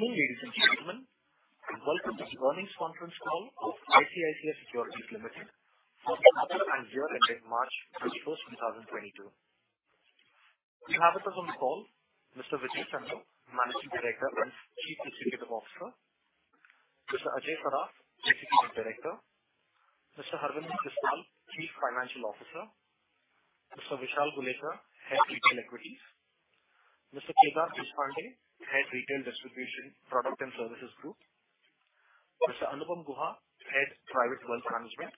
Good evening, ladies and gentlemen. Welcome to the earnings conference call of ICICI Securities Limited for the quarter and year ending March 31, 2022. We have with us on the call Mr. Vijay Chandok, Managing Director and Chief Executive Officer, Mr. Ajay Saraf, Executive Director, Mr. Harvinder Jaspal, Chief Financial Officer, Mr. Vishal Gulechha, Head Retail Equities, Mr. Kedar Deshpande, Head Retail Distribution, Product and Services Group, Mr. Anupam Guha, Head Private Wealth Management,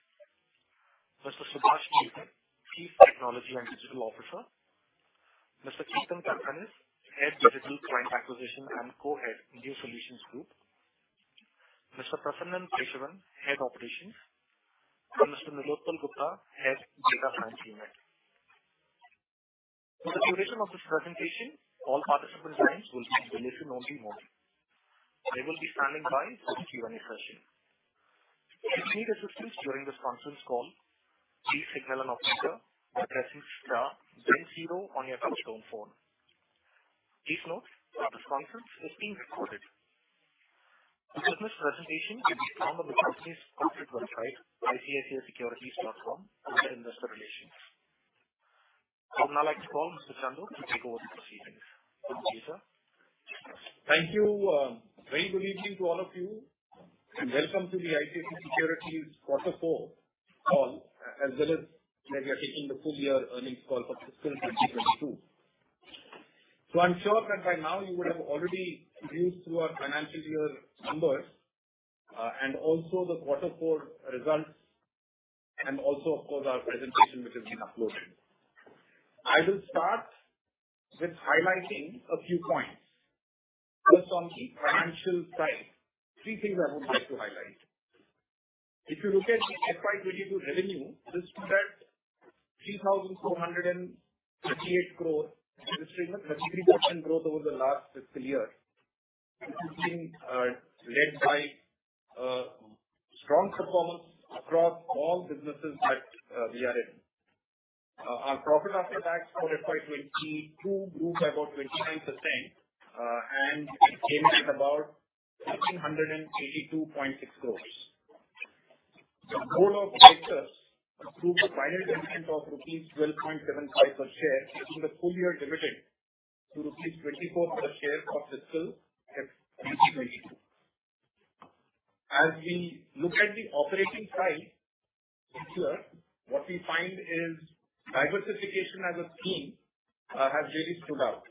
Mr. Subhash Menon, Chief Technology and Digital Officer, Mr. Ketan Karkhanis, Head Digital Client Acquisition and Co-head New Solutions Group, Mr. Prasannan Keshavan, Head Operations, and Mr. Nilotpal Gupta, Head Data Science Unit. For the duration of this presentation, all participant lines will be in listen-only mode. They will be standing by for Q&A session. If you need assistance during this conference call, please signal an operator by pressing star then zero on your touchtone phone. Please note that this conference is being recorded. This business presentation can be found on the company's corporate website, icicisecurities.com, under investor relations. I would now like to call Mr. Chandok to take over the proceedings. Good evening, sir. Thank you. Very good evening to all of you and welcome to the ICICI Securities quarter four call, as well as we are taking the full year earnings call for fiscal 2022. I'm sure that by now you would have already reviewed through our financial year numbers, and also the quarter four results and also, of course, our presentation which has been uploaded. I will start with highlighting a few points. First on the financial side, three things I would like to highlight. If you look at the FY 2022 revenue, this stood at INR 3,458 crore, registering a 30% growth over the last fiscal year. This has been led by a strong performance across all businesses that we are in. Our profit after tax for FY 2022 grew by about 29% and it came in at about 1,882.6 crores. The board of directors approved a final dividend of rupees 12.75 per share, taking the full year dividend to rupees 24 per share of fiscal FY 2023. As we look at the operating side this year, what we find is diversification as a scheme has really stood out,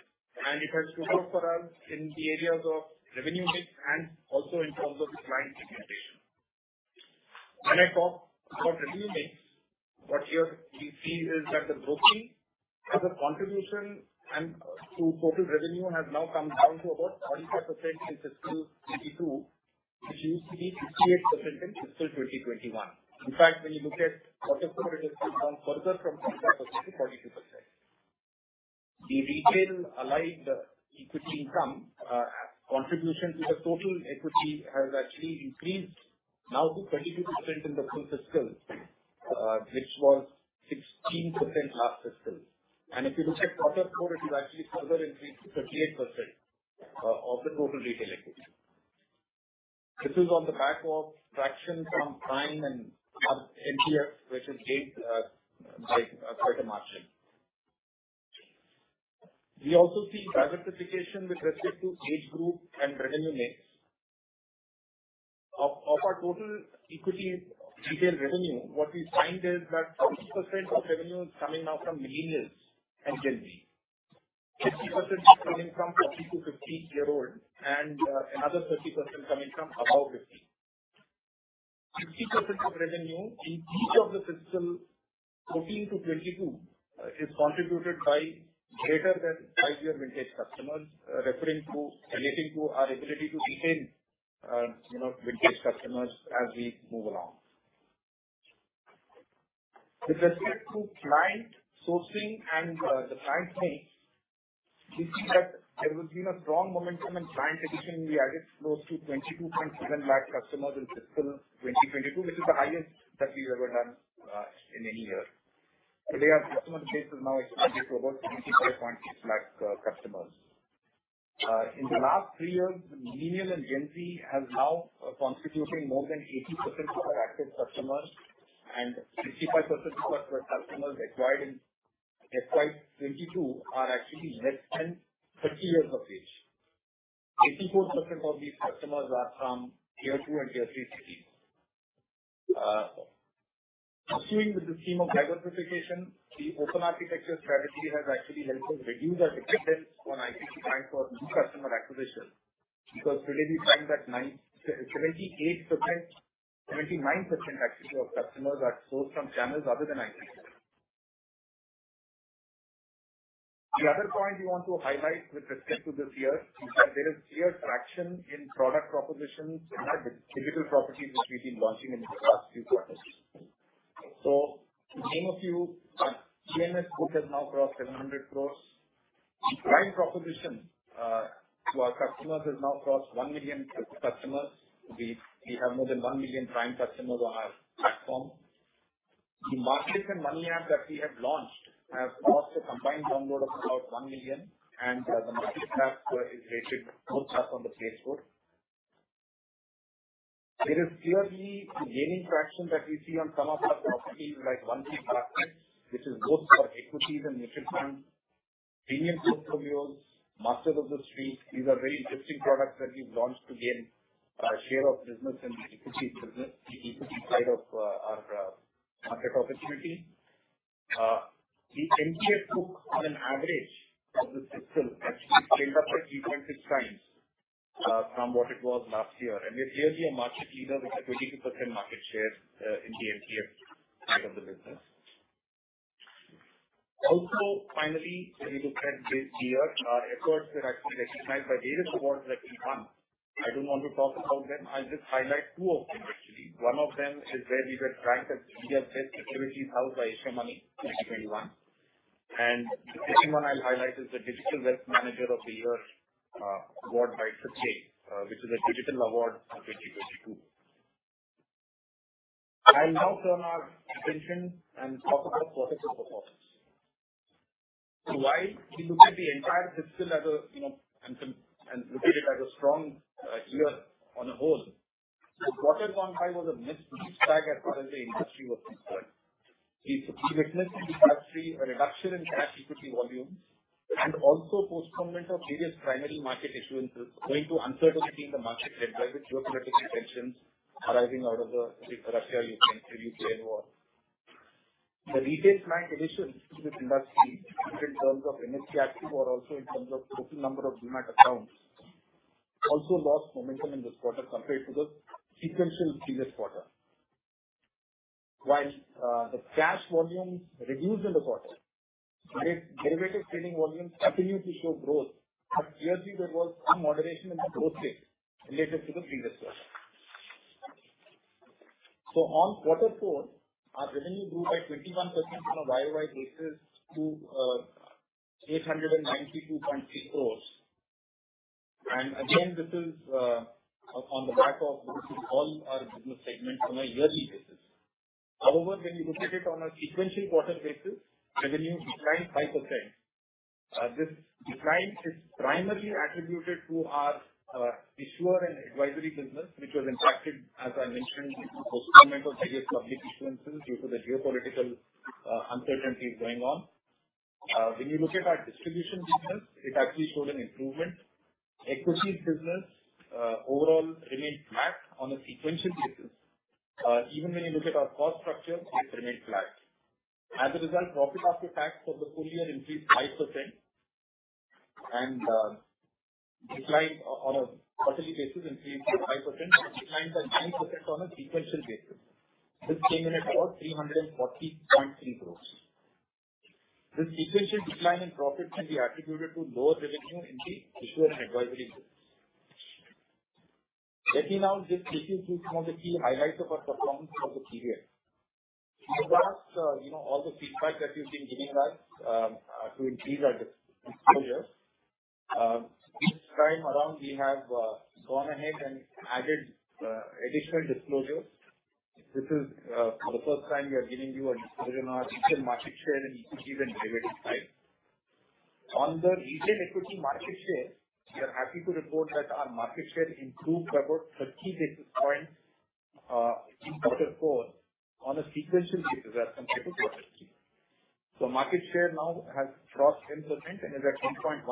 and it has stood out for us in the areas of revenue mix and also in terms of client segmentation. When I talk about revenue mix, what here we see is that the broking as a contribution and to total revenue has now come down to about 44% in fiscal 2022, which used to be 58% in fiscal 2021. In fact, when you look at quarter four, it has come down further from 45% to 42%. The retail allied equity income contribution to the total equity has actually increased now to 22% in the full fiscal, which was 16% last fiscal. If you look at quarter four, it is actually further increased to 38% of the total retail equity. This is on the back of traction from Prime and our MTF which is gained by a greater margin. We also see diversification with respect to age group and revenue mix. Of our total equity retail revenue, what we find is that 50% of revenue is coming now from millennials and Gen Z. A 50% is coming from 40- to 50-year-old and another 30% coming from above 50. In 50% of revenue in each of the fiscal 2014-2022 is contributed by greater than five-year vintage customers, referring to relating to our ability to retain, you know, vintage customers as we move along. With respect to client sourcing and the client mix, we see that there has been a strong momentum in client acquisition. We added close to 22.7 lakh customers in FY 2022, which is the highest that we've ever done in any year. Today our customer base is now expanded to about 25.6 lakh customers. In the last three years, millennials and Gen Z has now constituting more than 80% of our active customers and 65% of our customers acquired in FY 2022 are actually less than 30 years of age. A 84% of these customers are from tier two and tier three cities. Pursuing with this theme of diversification, the open architecture strategy has actually helped us reduce our dependence on ICICI Bank for new customer acquisition because today we find that 78%, 79% actually of customers are sourced from channels other than ICICI. The other point we want to highlight with respect to this year is that there is clear traction in product propositions and our digital properties which we've been launching in the past few quarters. To name a few, our PMS book has now crossed 700 crores. Prime proposition to our customers has now crossed 1 million customers. We have more than 1 million Prime customers on our platform. The Markets and Money App that we have launched has crossed a combined download of about 1 million, and the Markets App is rated four stars on the Play Store. There is clearly gaining traction that we see on some of our properties like One Click Markets, which is both for equities and mutual funds. Premium Portfolios, Masters of the Street, these are very interesting products that we've launched to gain share of business in the equities business, the equity side of our market opportunity. The MTF book on an average of the fiscal has actually scaled up by 26x from what it was last year. We're clearly a market leader with a 22% market share in the MTF side of the business. Finally, when you look at this year, our efforts were actually recognized by various awards that we won. I don't want to talk about them. I'll just highlight two of them, actually. One of them is where we were ranked as India's Best Securities House by Asia Money in 2021. The second one I'll highlight is the Digital Wealth Manager of the Year award by FICCI which is a digital award for 2022. I'll now turn our attention and talk about quarter four performance. While we look at the entire fiscal as a strong year on the whole, quarter one to five was a mixed bag as far as the industry was concerned. We witnessed in Q3 a reduction in cash equity volumes and also postponement of various primary market issuances owing to uncertainty in the market led by the geopolitical tensions arising out of the Russia-Ukraine war. The retail client additions to this industry, even in terms of NSE active or also in terms of total number of Demat accounts, also lost momentum in this quarter compared to the sequential previous quarter. While the cash volumes reduced in the quarter, derivative trading volumes continued to show growth, but clearly there was some moderation in the growth rate related to the previous quarter. On quarter four, our revenue grew by 21% on a YOY basis to 892.3 crores. Again, this is on the back of growth in all our business segments on a yearly basis. However, when you look at it on a sequential quarter basis, revenue declined 5%. This decline is primarily attributed to our issuer and advisory business which was impacted, as I mentioned, due to postponement of various public issuances due to the geopolitical uncertainties going on. When you look at our distribution business, it actually showed an improvement. Equities business overall remained flat on a sequential basis. Even when you look at our cost structure, it remained flat. As a result, profit after tax for the full year increased 5% and declined by 9% on a sequential basis. This came in at about 340.3 crores. This sequential decline in profit can be attributed to lower revenue in the issuer and advisory business. Let me now just take you through some of the key highlights of our performance for the period. That's, you know, all the feedback that you've been giving us to improve our disclosure. This time around, we have gone ahead and added additional disclosures. This is for the first time we are giving you a disclosure on our retail market share in equities and derivative side. On the retail equity market share, we are happy to report that our market share improved by about 30 basis points in quarter four on a sequential basis as compared to quarter three. Market share now has crossed 10% and is at 10.1%.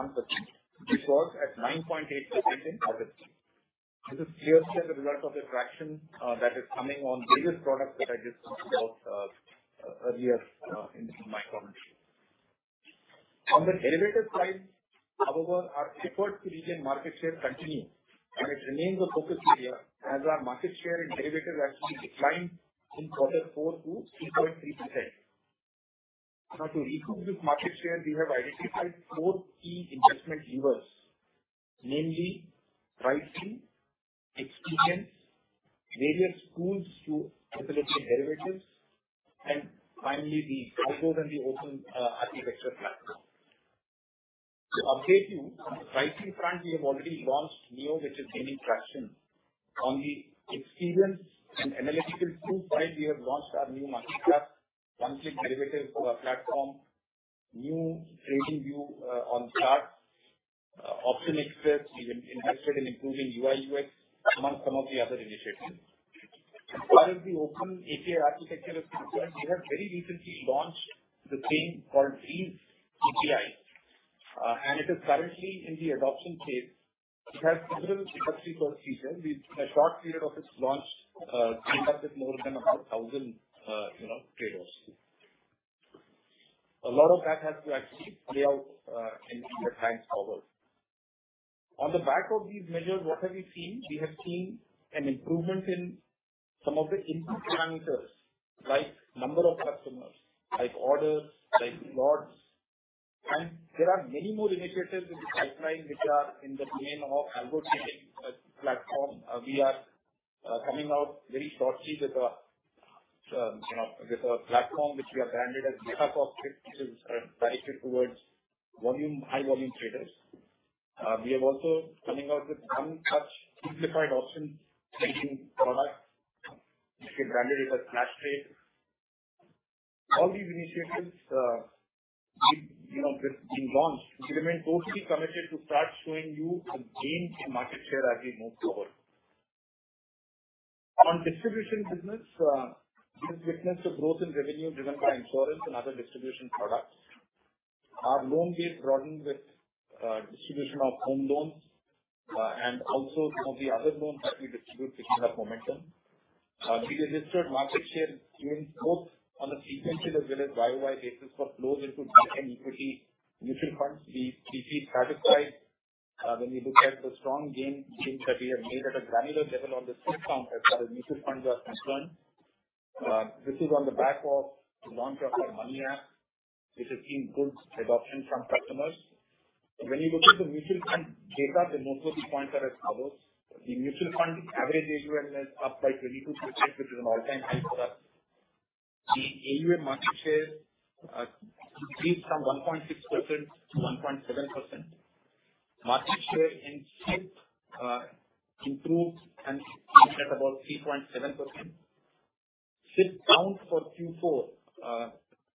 This was at 9.8% in quarter three. This is clearly as a result of the traction that is coming on various products that I just spoke about earlier in my comments. On the derivatives side, however, our efforts to regain market share continue, and it remains a focus area as our market share in derivatives actually declined in quarter four to 2.3%. Now, to recoup this market share, we have identified four key investment levers, namely pricing, experience, various tools to facilitate derivatives, and finally, the proposed and the open API architecture platform. To update you on the pricing front, we have already launched NEO, which is gaining traction. On the experience and analytical tools front, we have launched our new Market Wrap, One Click Derivatives to our platform, new TradingView on charts, Option Expert. We've invested in improving UI, UX among some of the other initiatives. As far as the open API architecture is concerned, we have very recently launched the same called Breeze API, and it is currently in the adoption phase. It has several industry first features. In a short period of its launch, teamed up with more than about 1,000, you know, traders. A lot of that has to actually play out, in the times forward. On the back of these measures, what have we seen? We have seen an improvement in some of the input parameters, like number of customers, like orders, like lots. There are many more initiatives in the pipeline which are in the domain of algo trading platform. We are coming out very shortly with a, you know, with a platform which we have branded as Beta Cockpit, which is directed towards high volume traders. We are also rolling out with one such simplified options trading product which we branded it as Flash Trade. All these initiatives, we've, you know, just been launched. We remain totally committed to start showing you some gains in market share as we move forward. On distribution business, we have witnessed a growth in revenue driven by insurance and other distribution products. Our loan base broadened with distribution of home loans and also some of the other loans that we distribute which have momentum. We registered market share gains both on a sequential as well as YOY basis for flows into bank and equity mutual funds. We feel satisfied when we look at the strong gains that we have made at a granular level on the SIP count as far as mutual funds are concerned. This is on the back of the launch of our Money App which has seen good adoption from customers. When you look at the mutual fund data, there are multiple key points that I'd cover. The mutual fund average AUM is up by 22%, which is an all-time high for us. The AUM market share increased from 1.6% to 1.7%. Market share in SIP improved and stands at about 3.7%. SIP counts for Q4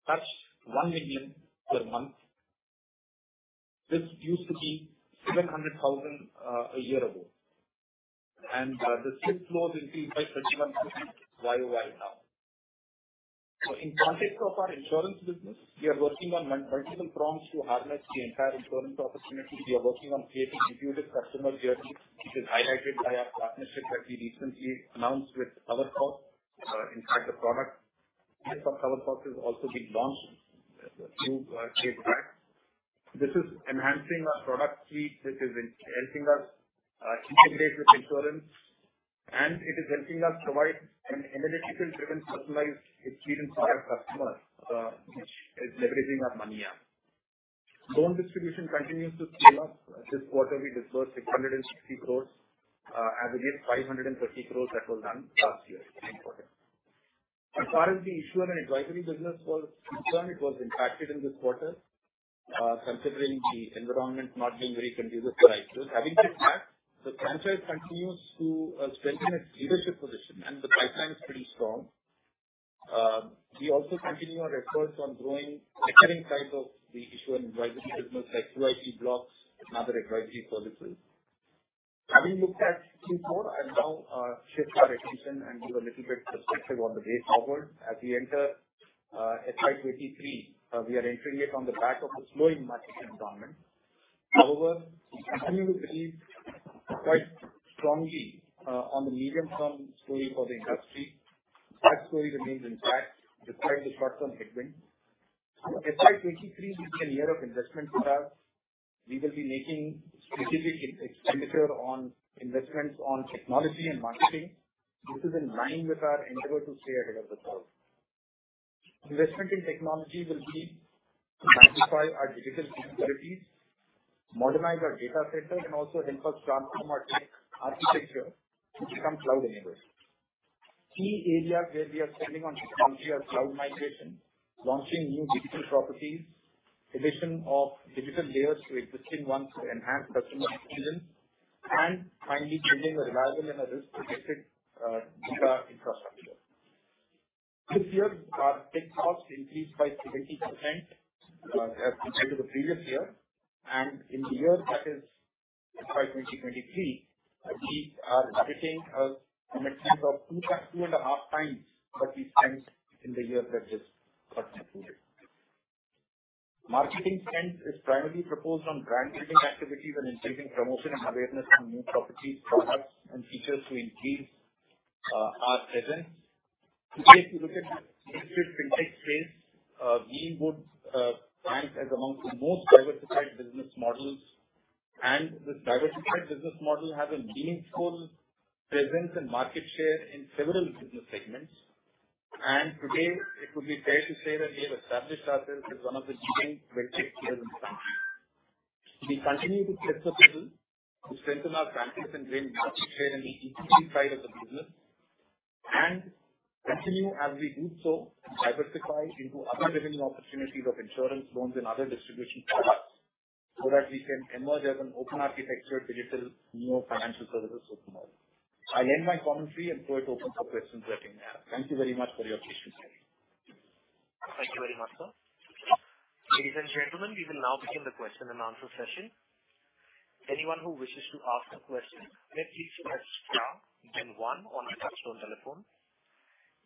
touched 1 million per month, this used to be 700,000 a year ago. The SIP flows increased by 31% YOY now. In context of our insurance business, we are working on multiple fronts to harness the entire insurance opportunity. We are working on creating intuitive customer journey, which is highlighted by our partnership that we recently announced with CoverFox. In fact, the product made for CoverFox has also been launched through Chase App. This is enhancing our product suite, which is helping us integrate with insurance and it is helping us provide an analytical-driven, personalized experience to our customers which is leveraging our Money App. Loan distribution continues to scale up. This quarter we disbursed 660 crore as against 530 crore that was done last year in quarter. As far as the issuer and advisory business was concerned, it was impacted in this quarter, considering the environment not being very conducive for IPOs. Having said that, the franchise continues to strengthen its leadership position and the pipeline is pretty strong. We also continue our efforts on growing recurring side of the issuer and advisory business like QIP blocks and other advisory services. Having looked at Q4, I'll now shift our attention and give a little bit perspective on the way forward. As we enter FY 2023, we are entering it on the back of a slowing market environment. However, we continue to believe quite strongly on the medium-term story for the industry. That story remains intact despite the short-term headwinds, FY 2023 will be a year of investment for us. We will be making significant expenditure on investments on technology and marketing. This is in line with our endeavor to stay ahead of the curve. Investment in technology will be to magnify our digital capabilities, modernize our data center, and also help us transform our tech architecture to become cloud-enabled. Key areas where we are spending on technology are cloud migration, launching new digital properties, addition of digital layers to existing ones to enhance customer experience, and finally building a reliable and a risk-protected data infrastructure. This year our tech costs increased by 70%, as compared to the previous year. In the year that is FY 2023, we are budgeting a commitment of 2.5x what we spent in the year that just got concluded. Marketing spend is primarily focused on brand building activities and increasing promotion and awareness on new properties, products, and features to increase our presence. Today, if you look at digital fintech space. We Invest ranks as amongst the most diversified business models and this diversified business model has a meaningful presence and market share in several business segments. Today it would be fair to say that we have established ourselves as one of the leading fintech players in the country. We continue to tread the pedal to strengthen our franchise and gain market share in the equity side of the business and continue as we do so diversify into other revenue opportunities of insurance loans and other distribution products so that we can emerge as an open architectured digital NEO financial services platform. I'll end my commentary and go to open for questions waiting there. Thank you very much for your patience today. Thank you very much, sir. Ladies and gentlemen, we will now begin the question and answer session. Anyone who wishes to ask a question, may please press star then one on your touchtone telephone.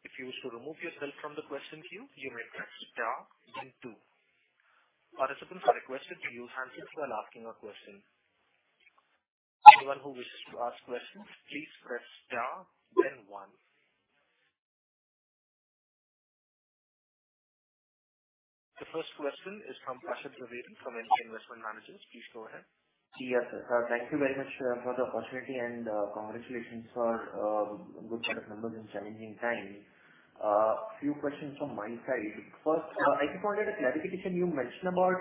If you wish to remove yourself from the question queue, you may press star then two. Participants are requested to use handsets while asking a question. Anyone who wishes to ask questions, please press star then one. The first question is from Parash Jain from HSBC Markets. Please go ahead. Yes, sir. Thank you very much for the opportunity and congratulations for good set of numbers in challenging time. Few questions from my side. First, I think I wanted a clarification. You mentioned about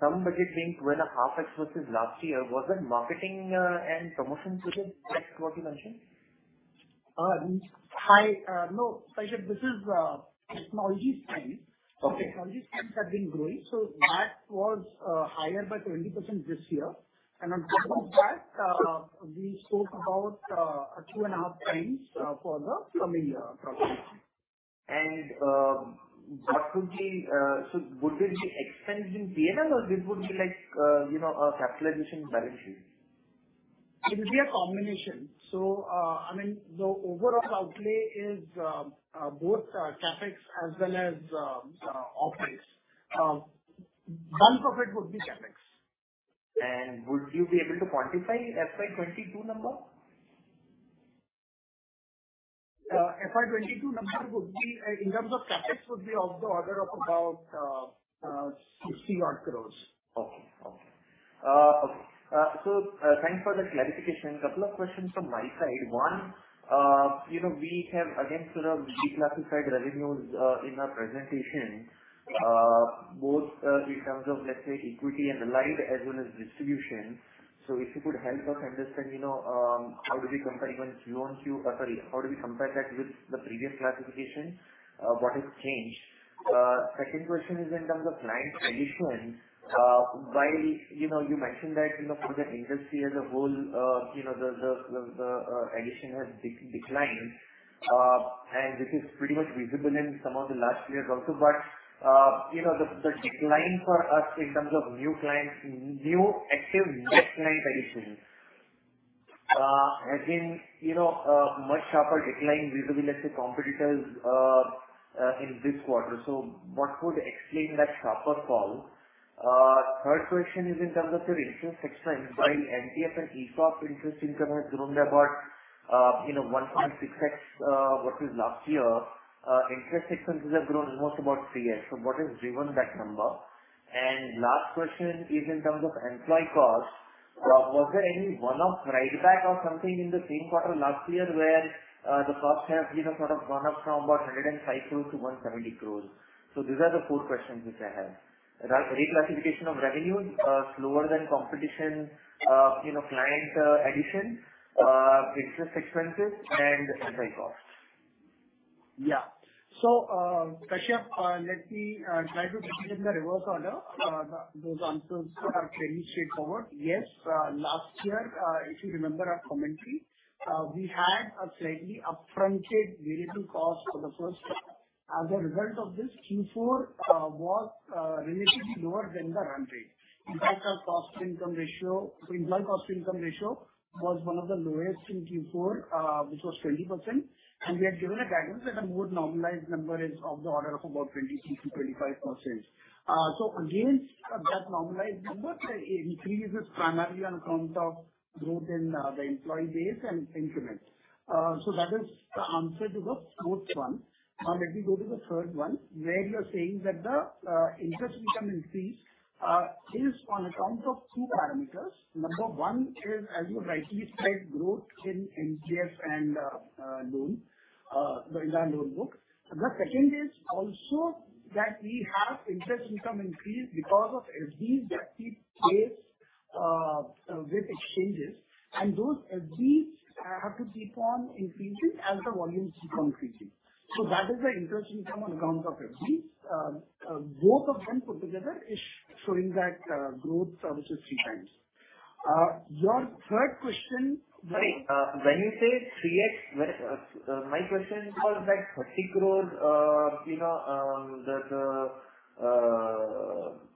some budget being 2.5x versus last year. Was that marketing and promotions which is what you mentioned? Hi, no, Parash Jain, this is technology spend. Okay. Technology spends have been growing, so that was higher by 20% this year. Okay. On top of that, we spoke about 2.5x for the coming year approximately. Would this be an expense in P&L or would this be like, you know, capitalized on the balance sheet? It will be a combination. I mean, the overall outlay is both CapEx as well as OpEx. Bulk of it would be CapEx. Would you be able to quantify FY 2022 number? FY 2022 number would be in terms of CapEx of the order of about INR 60 odd crores. Thanks for the clarification. Couple of questions from my side. One, you know, we have again sort of reclassified revenues in our presentation, both in terms of, let's say, equity and the like as well as distribution. If you could help us understand, you know, how do we compare even Q on Q. Or sorry, how do we compare that with the previous classification? What has changed? Second question is in terms of client acquisition. While, you know, you mentioned that, you know, for the industry as a whole, you know, the addition has declined, and this is pretty much visible in some of the last years also. You know, the decline for us in terms of new clients, new active net client addition, has been, you know, a much sharper decline vis-à-vis, let's say, competitors, in this quarter. What would explain that sharper fall? Third question is in terms of your interest expense. While MTF and ESOP interest income has grown by about 1.6x what was last year, interest expenses have grown almost about 3x. What has driven that number? Last question is in terms of employee cost. Was there any one-off write back or something in the same quarter last year where the cost have sort of gone up from about 105 crore to 170 crore? These are the four questions which I have. Reclassification of revenue, slower than competition, you know, client addition, interest expenses and employee costs. Parash, let me try to take it in the reverse order. Those answers are fairly straightforward. Yes, last year, if you remember our commentary, we had a slightly up-fronted variable cost for the first time. As a result of this, Q4 was relatively lower than the run rate. In fact, our cost-to-income ratio, employee cost-to-income ratio was one of the lowest in Q4, which was 20%. We had given a guidance that a more normalized number is of the order of about 23%-25%. Against that normalized number, the increase is primarily on account of growth in the employee base and increments. That is the answer to the fourth one. Now let me go to the third one, where you're saying that the interest income increase is on account of two parameters. Number one is, as you rightly said, growth in NPS and loan book. The second is also that we have interest income increase because of FDs that we place with exchanges, and those FDs have to keep on increasing as the volumes keep on increasing. So that is the interest income on account of FDs. Both of them put together is showing that growth of which is three times. Your third question- Sorry, when you say 3x, my question was that 30 crore, you know, the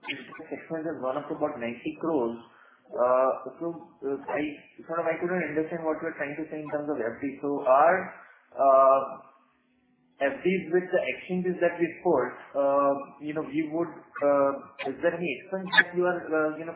interest expense has gone up to about 90 crore. I sort of couldn't understand what you are trying to say in terms of FD. Our FDs with the exchanges that we've put, you know, we would. Is there any expense that you are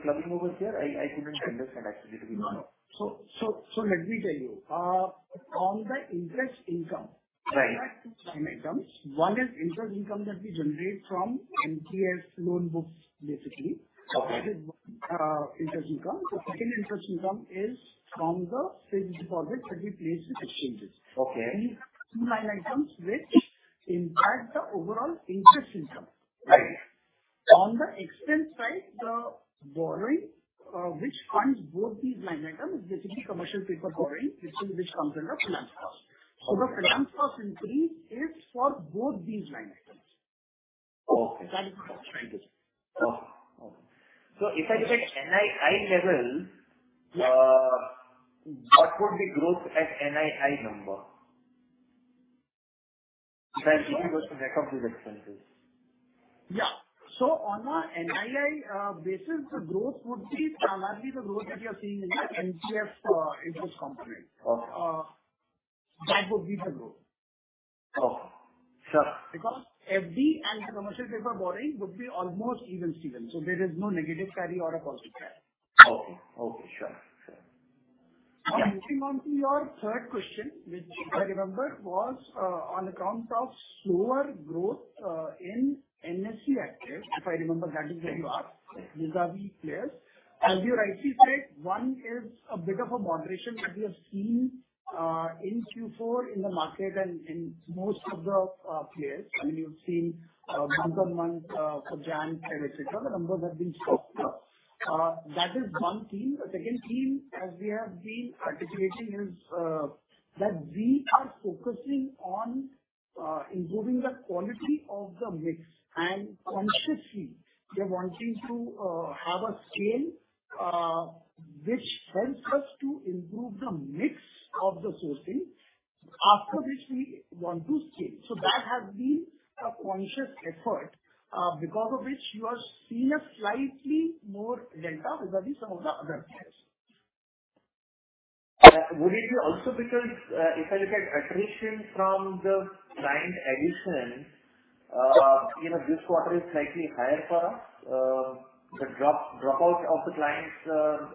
plugging over here? I couldn't understand, actually, to be honest. Let me tell you. On the interest income. Right. We have two line items. One is interest income that we generate from NPS loan books, basically. Okay. This is one, interest income. The second interest income is from the savings deposit that we place with exchanges. Okay. These two line items which impact the overall interest income. Right. On the expense side, the borrowing which funds both these line items, basically commercial paper borrowing, which comes under finance cost. Okay. The finance cost increase is for both these line items. Okay. That is my understanding. Okay. If I look at NII level. Yeah. What would be growth at NII number? If I take those two back out of these expenses. Yeah. On a NII basis, the growth would be primarily the growth that you are seeing in the NPS interest component. Okay. That would be the growth. Okay. Sure. Because FD and commercial paper borrowing would be almost even Steven, so there is no negative carry or a positive carry. Okay. Sure. Moving on to your third question, which if I remember, was on account of slower growth in NSE active, if I remember that is where you are vis-à-vis players. As you rightly said, one is a bit of a moderation that we have seen in Q4 in the market and in most of the players. I mean, you've seen month-on-month for January, February, etc., the numbers have been softer. That is one theme. The second theme, as we have been articulating, is that we are focusing on improving the quality of the mix and consciously we are wanting to have a scale which helps us to improve the mix of the sourcing. After which we want to scale. That has been a conscious effort, because of which you have seen a slightly more delta vis-à-vis some of the other players. Would it be also because if I look at attrition from the client acquisition, you know this quarter is slightly higher for us, the drop out of the clients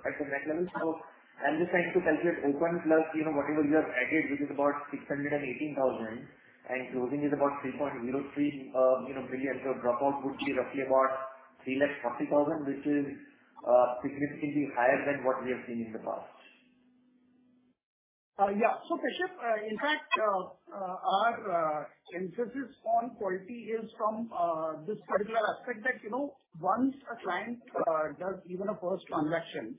at the net level. I'm just trying to calculate open plus, you know, whatever you have added, which is about 618,000 and closing is about 3.03 billion. Dropout would be roughly about 3.4 lakh which is significantly higher than what we have seen in the past. Parash, in fact, our emphasis on quality is from this particular aspect that, you know, once a client does even a first transaction,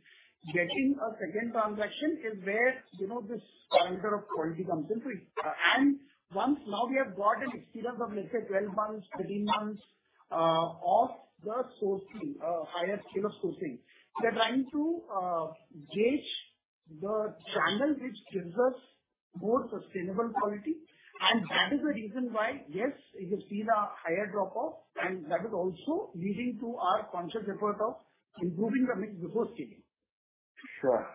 getting a second transaction is where, you know, this parameter of quality comes into it. Once now we have got an experience of, let's say, 12 months, 13 months, of the sourcing, higher scale of sourcing, we are trying to gauge the channel which gives us more sustainable quality. That is the reason why, yes, you see the higher drop-off, and that is also leading to our conscious effort of improving the mix before scaling. Sure.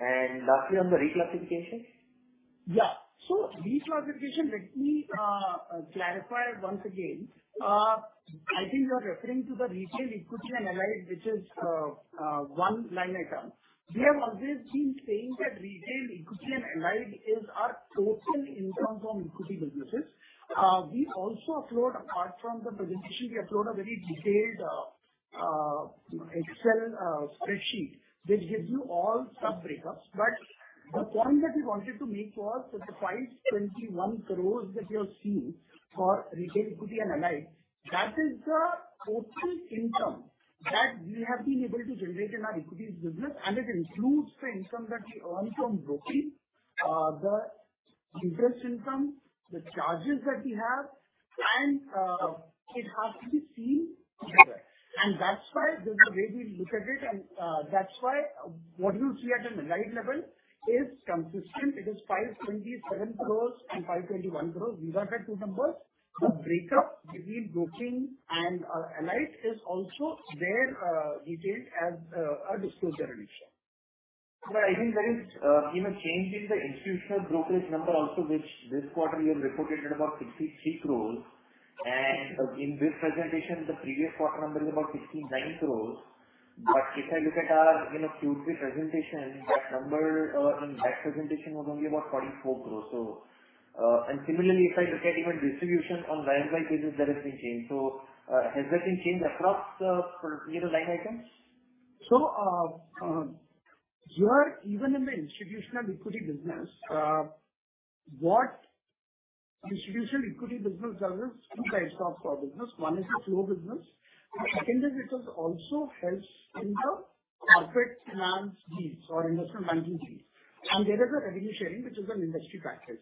Lastly on the reclassification. Yeah. Reclassification, let me clarify once again. I think you are referring to the retail equity and allied which is one line item. We have always been saying that retail equity and allied is our total income from equity businesses. We also upload apart from the presentation, we upload a very detailed Excel spreadsheet which gives you all sub breakups. The point that we wanted to make was that the 521 crore that you are seeing for retail equity and allied, that is the total income that we have been able to generate in our equities business, and it includes the income that we earn from broking, the interest income, the charges that we have and it has to be seen together. That's why the way we look at it and, that's why what you see at an allied level is consistent. It is 527 crores and 521 crores. These are the two numbers. The breakup between broking and our allied is also there, detailed as per our disclosure. I think there is even change in the institutional brokerage number also, which this quarter you have reported at about 63 crore. In this presentation, the previous quarter number is about 69 crore. If I look at our, you know, Q2 presentation, that number in that presentation was only about 44 crore. Similarly, if I look at even distribution online by pages, there has been change. Has there been change across for several line items? Here even in the institutional equity business, what institutional equity business does is two types of business. One is the flow business and second is it also helps in the corporate finance fees or investment banking fees. There is a revenue sharing which is an industry practice.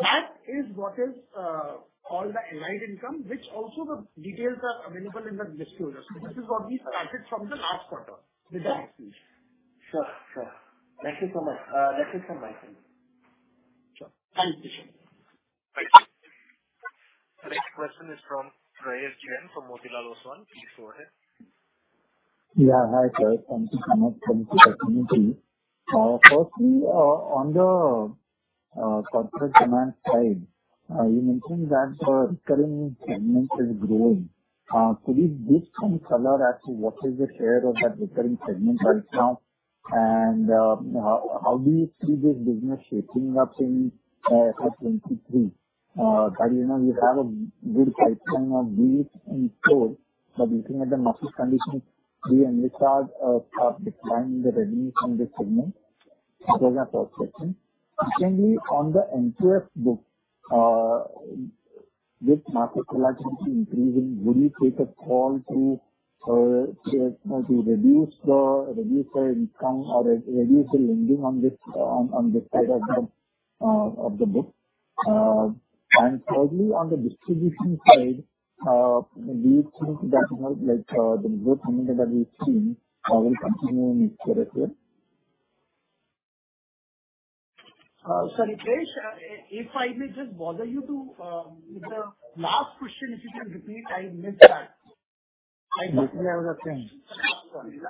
That is what is all the allied income which also the details are available in the disclosure. This is what we started from the last quarter with the- Sure. Thank you so much. That's it from my side. Sure. Thank you. Next question is from Prayesh Jain from Motilal Oswal. Please go ahead. Hi, Prayesh. First, on the corporate demand side, you mentioned that the recurring segment is growing. Could you give some color as to what is the share of that recurring segment right now? And how do you see this business shaping up in FY 2023? You know, you have a good pipeline of deals in store but looking at the market conditions, the risk of a decline in the revenue from this segment, that's the first question. Second, on the NPF book, with market volatility increasing, will you take a call to reduce the income or reduce the lending on this side of the book? Thirdly, on the distribution side, do you think that like, the growth momentum that we've seen will continue in next year as well? Sorry, Prayesh, if I may just bother you to repeat the last question if you can, I missed that. Thank you. Basically I was asking. Sorry.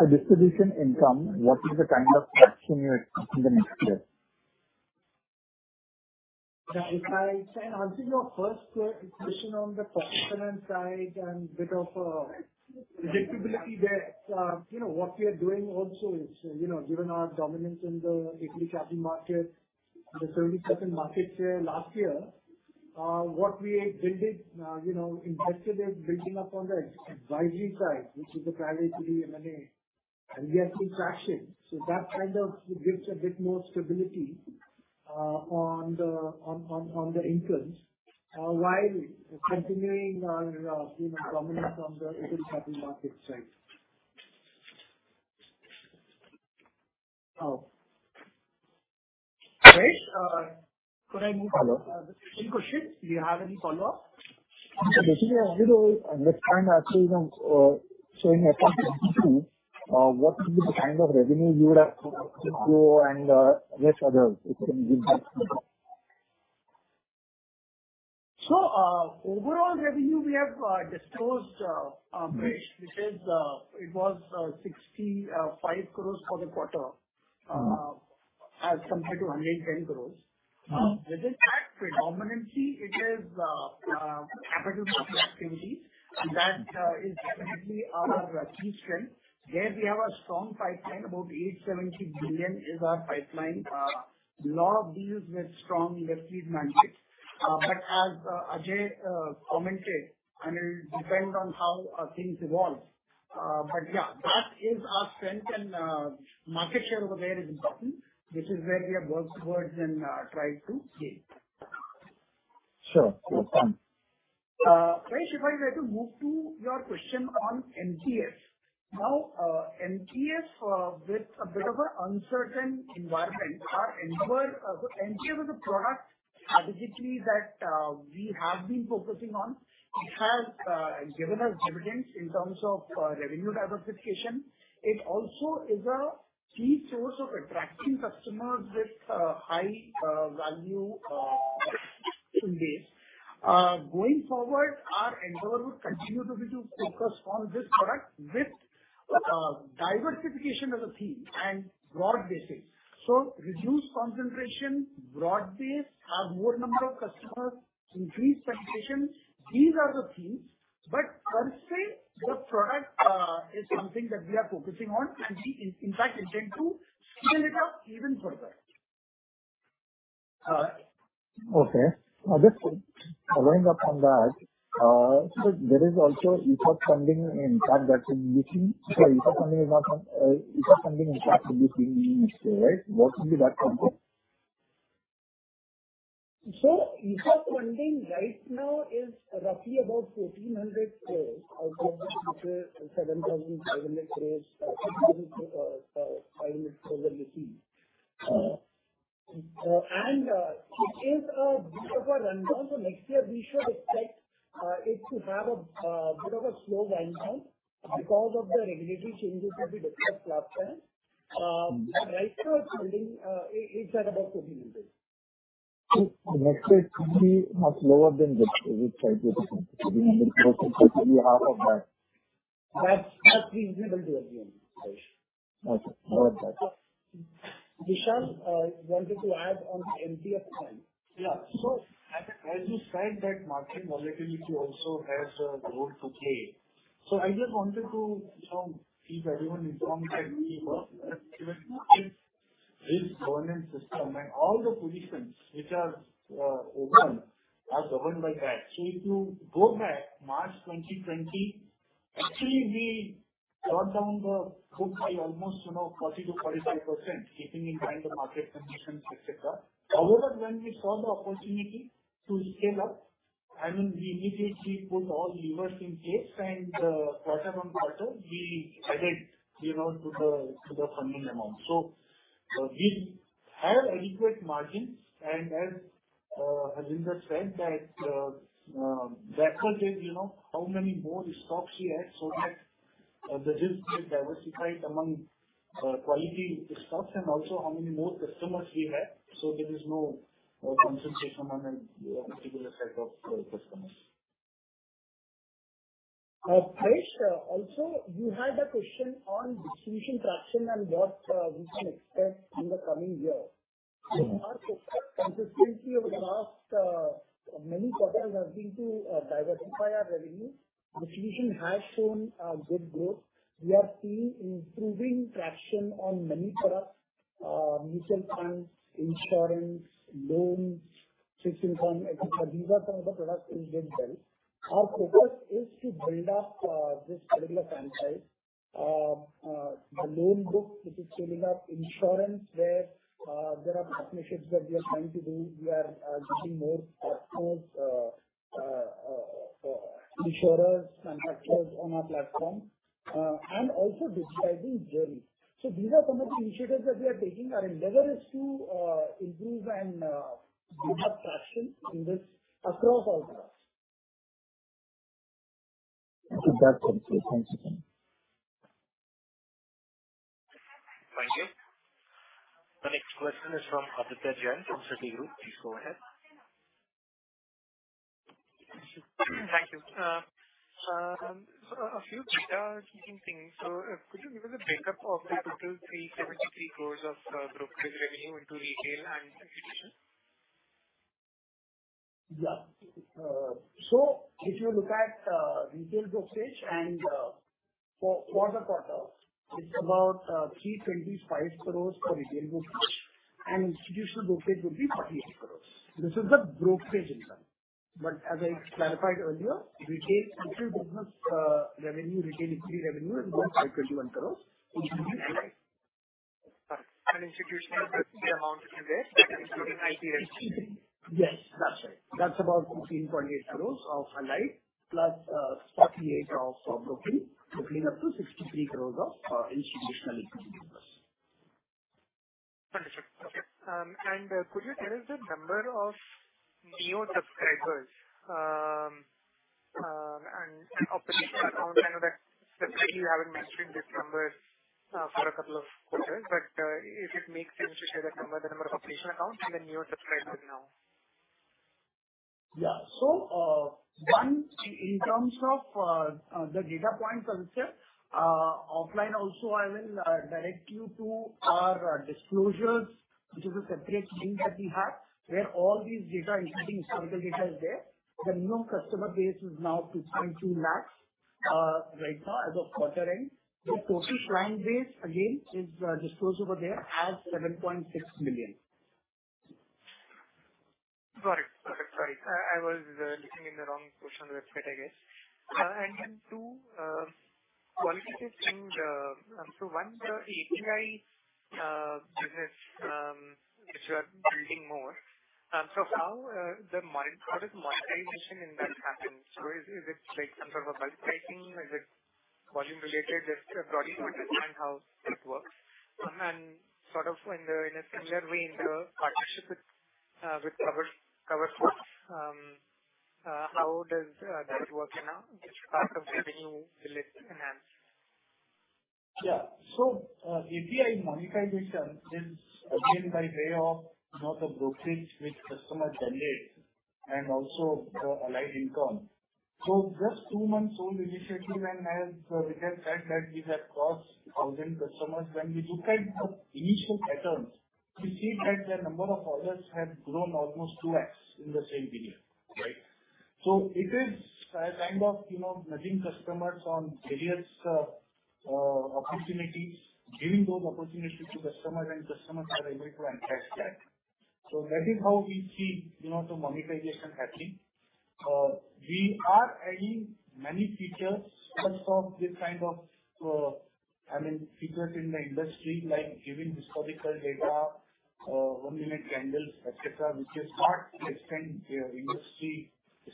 The distribution income, what is the kind of action you expect in the next year? If I can answer your first question on the confidence side and a bit of predictability there. You know, what we are doing also is, you know, given our dominance in the equity capital markets, the 37% market share last year, what we have built, you know, invested in building up on the advisory side, which is the private M&A, and we are seeing traction. That kind of gives a bit more stability on the incomes while continuing our, you know, dominance on the equity capital markets side. Oh. Prayesh, could I move on? Hello. Any questions? Do you have any follow-up? Basically I wanted to understand actually from, say, in FY 2022, what will be the kind of revenue you would have to go and rest others if you can give that? Overall revenue we have disclosed which is it was 65 crore for the quarter. Mm-hmm. As compared to 110 crores. Mm-hmm. Within that predominantly it is capital market activity that is definitely our key strength. There we have a strong pipeline. About 870 billion is our pipeline. A lot of deals with strong lead mandates. As Ajay commented, I mean, it will depend on how things evolve. Yeah, that is our strength and market share over there is important, which is where we have worked towards and tried to scale. Sure. Okay. Prayesh, if I were to move to your question on MTF. Now, MTF with a bit of an uncertain environment, our endeavor. MTF is a product strategically that we have been focusing on. It has given us dividends in terms of revenue diversification. It also is a key source of attracting customers with high value base. Going forward, our endeavor would continue to be to focus on this product with diversification as a theme and broad basics. Reduced concentration, broad base, have more number of customers, increased penetration, these are the themes. But per se, the product is something that we are focusing on and we in fact intend to scale it up even further. Okay. Just following up on that, there is also ESOP funding in that that's in between. ESOP funding in that will be seen in next year, right? What will be that from? ESOP funding right now is roughly about 1,300 crore out of the total INR 7,500 crore, 500 crore are received. It is a bit of a rundown. Next year we should expect it to have a bit of a slow downhill because of the regulatory changes with the different platforms. Right now funding is at about INR 1,300 crore. Next year it could be much lower than this. It would try to be. Mm-hmm. Maybe half of that. That, that's reasonable to assume. Okay. Got that. Vishal wanted to add on MTF side. Yeah. As you said, that market volatility also has a role to play. I just wanted to, you know, keep everyone informed that we have a risk governance system and all the positions which are open are governed by that. If you go back March 2020, actually we brought down the book by almost, you know, 40%-45% keeping in mind the market conditions, etc.. However, when we saw the opportunity to scale up, I mean, we immediately put all levers in place and quarter-on-quarter we added, you know, to the funding amount. We have adequate margins and as Harvinder said that the effort is, you know, how many more stocks we add so that the risks get diversified among quality stocks and also how many more customers we add so there is no concentration on a particular set of customers. Prayesh, also you had a question on distribution traction and what we can expect in the coming year. Mm-hmm. Our focus consistently over the last many quarters has been to diversify our revenue. Distribution has shown good growth. We are seeing improving traction on many products, mutual funds, insurance, loans, fixed income, et cetera. These are some of the products which did well. Our focus is to build up this particular franchise. The loan book, which is building up insurance where, there are partnerships that we are trying to do. We are getting more platforms, insurers, manufacturers on our platform, and also digitizing journey. These are some of the initiatives that we are taking. Our endeavor is to improve and build up traction in this across all products. Okay, that's it. Thank you. Thank you. The next question is from Aditya Jain from Citigroup. Please go ahead. Thank you. A few data points. Could you give us a breakdown of the total 373 crore of brokerage revenue into retail and institutional? If you look at retail brokerage and for quarter-over-quarter, it's about 325 crore for retail brokerage and institutional brokerage would be 48 crore. This is the brokerage income. As I clarified earlier, retail and institutional business revenue is about INR 521 crore, institutional- Institutional is the amount you gave that including IPS? Yes, that's right. That's about 13.8 crores of allied +48 crores of brokerage, totaling up to 63 crores of institutional business. Could you tell us the number of new subscribers and operational accounts? I know that specifically you haven't mentioned this number for a couple of quarters, but if it makes sense to share the number of operational accounts and the newer subscribers now. Yeah. One, in terms of the data point per se, offline also, I will direct you to our disclosures which is a separate link that we have, where all these data, including historical data, is there. The new customer base is now 2.2 lakh right now as of quarter end. The total client base, again, is disclosed over there as 11.6 million. Got it. I was looking in the wrong portion of the website, I guess. Okay. Two qualitative things. One, the API business which you are building more. How does monetization in that happen? Is it like some sort of a bulk pricing? Is it volume related? Just broadly put and how it works. Sort of in a similar way, in the partnership with CoverFox, how does that work now? Which part of revenue will it enhance? API monetization is again by way of, you know, the brokerage which customers generate and also the allied income. Just two-month-old initiative, and as Vijay said that we have crossed 2,000 customers. When we look at the initial patterns, we see that the number of orders have grown almost 2x in the same period, right? It is a kind of, you know, nudging customers on various opportunities, giving those opportunities to customers, and customers are able to entice that. That is how we see, you know, the monetization happening. We are adding many features first of this kind of, I mean, secret in the industry, like giving historical data, one-minute candles, etc., which is not the extent of the industry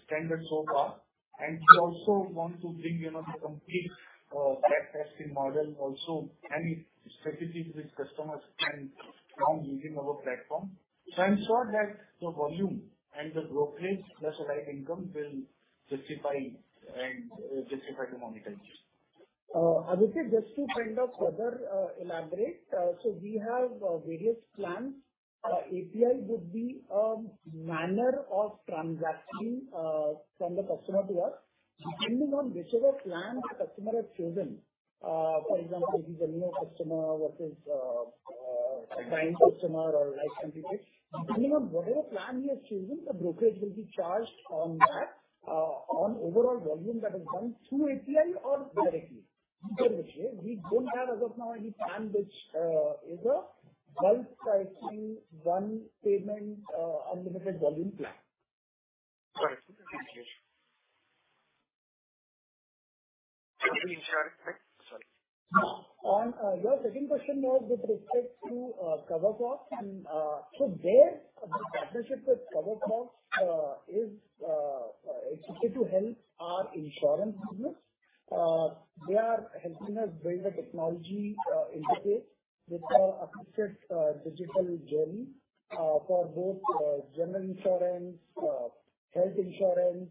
standard so far. We also want to bring, you know, the complete, backtesting model also and specifically which customers can find using our platform. I'm sure that the volume and the brokerage plus allied income will justify the monetization. Aditya, just to kind of further elaborate. We have various plans. API would be a manner of transacting from the customer to us, depending on whichever plan the customer has chosen. For example, if he's a new customer versus a Prime customer or life completed, depending on whatever plan he has chosen, the brokerage will be charged on that, on overall volume that is done through API or directly, either way. We don't have as of now any plan which is a bulk pricing, one payment, unlimited volume plan. Got it. Thank you. Any insurance, right? Sorry. Your second question was with respect to CoverFox. There the partnership with CoverFox is executed to help our insurance business. They are helping us build a technology interface with our assisted digital journey for both general insurance, health insurance,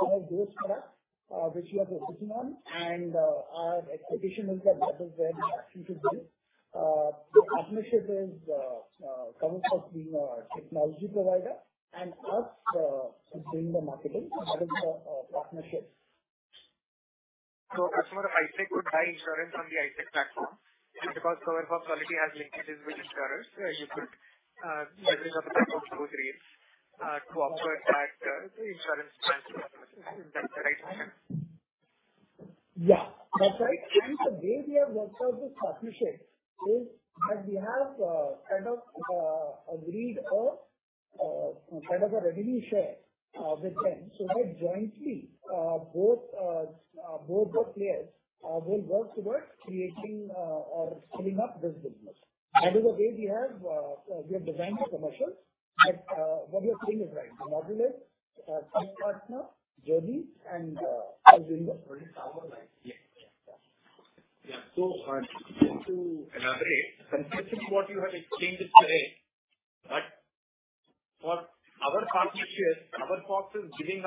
some of those products which we are focusing on. Our expectation is that that is where the action should be. The partnership is CoverFox being our technology provider and us doing the marketing. That is the partnership. A customer of ISEC would buy insurance on the ISEC platform just because CoverFox already has linkages with insurers. You could leverage the platform through them to offer that insurance plan to the customers. Is that the right way? Yeah, that's right. The way we have worked out this partnership is that we have kind of agreed a kind of a revenue share with them. That jointly both the players will work towards creating or scaling up this business. That is the way we have designed the commercial. What you're saying is right. We modulate some partner journey and are doing the-release our line. Yeah. Yeah. To elaborate, considering what you have explained it today, right, for our partnerships, CoverFox is giving us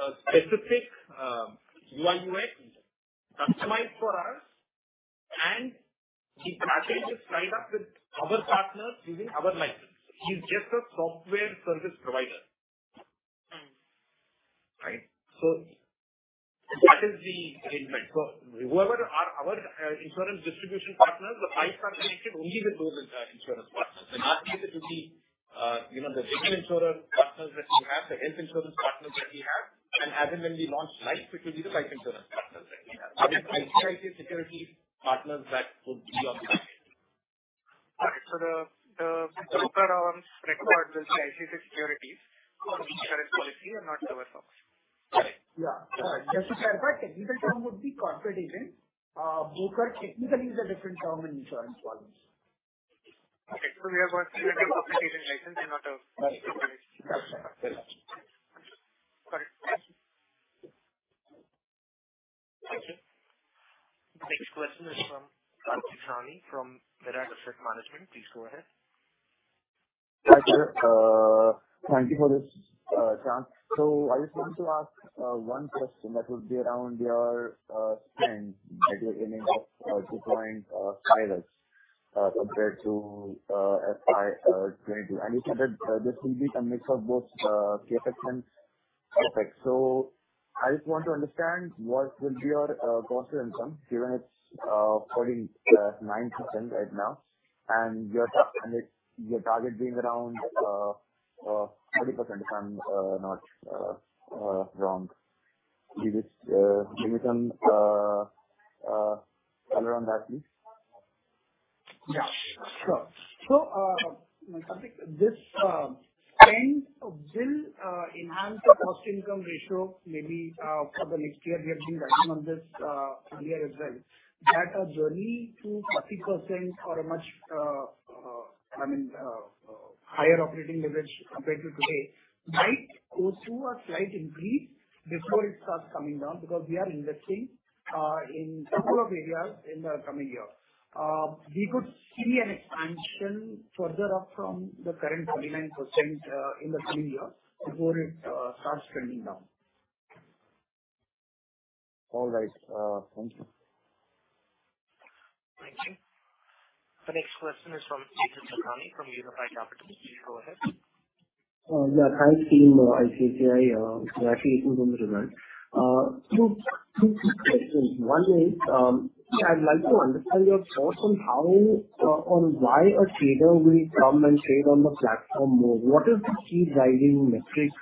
a specific UIUX customized for us, and he packages it up with our partners using our license. He's just a SaaS provider. Mm. Right? That is the intent. Whoever are our insurance distribution partners, the pipes are connected only with those insurance partners and not connected with the you know the general insurer partners that we have, the health insurance partners that we have. As and when we launch life, it will be the life insurance partners that we have. They are ICICI Securities partners that would be on the platform. All right. The broker on record will be ICICI Securities. Correct. for insurance policy and not CoverFox. Correct. Yeah. Just to clarify, technical term would be corporate agent. Broker technically is a different term in insurance world. Okay. We have a corporate agent license and not a broker license. Correct. Thank you. Next question is from Karthik Sawhney from Mirae Asset Management. Please go ahead. Hi, sir. Thank you for this chance. I just want to ask one question that would be around your spend that you're aiming at deploying pilots compared to FY 2022. You said that this will be a mix of both CapEx and OpEx. I just want to understand what will be your cost to income, given it's 49% right now and your target being around 30% if I'm not wrong? Give me some color on that, please. Yeah, sure. Karthik, this spend will enhance the cost-income ratio maybe for the next year. We have been working on this earlier as well, that a journey to 30% or a much, I mean, higher operating leverage compared to today might go through a slight increase before it starts coming down because we are investing in couple of areas in the coming year. We could see an expansion further up from the current 29% in the coming year before it starts trending down. All right. Thank you. Thank you. The next question is from Aejas Lakhani from Unifi Capital. Please go ahead. Hi, team ICICI. Congratulations on the results. Two quick questions. One is, I'd like to understand your thoughts on how or why a trader will come and trade on the platform more? What is the key driving metric?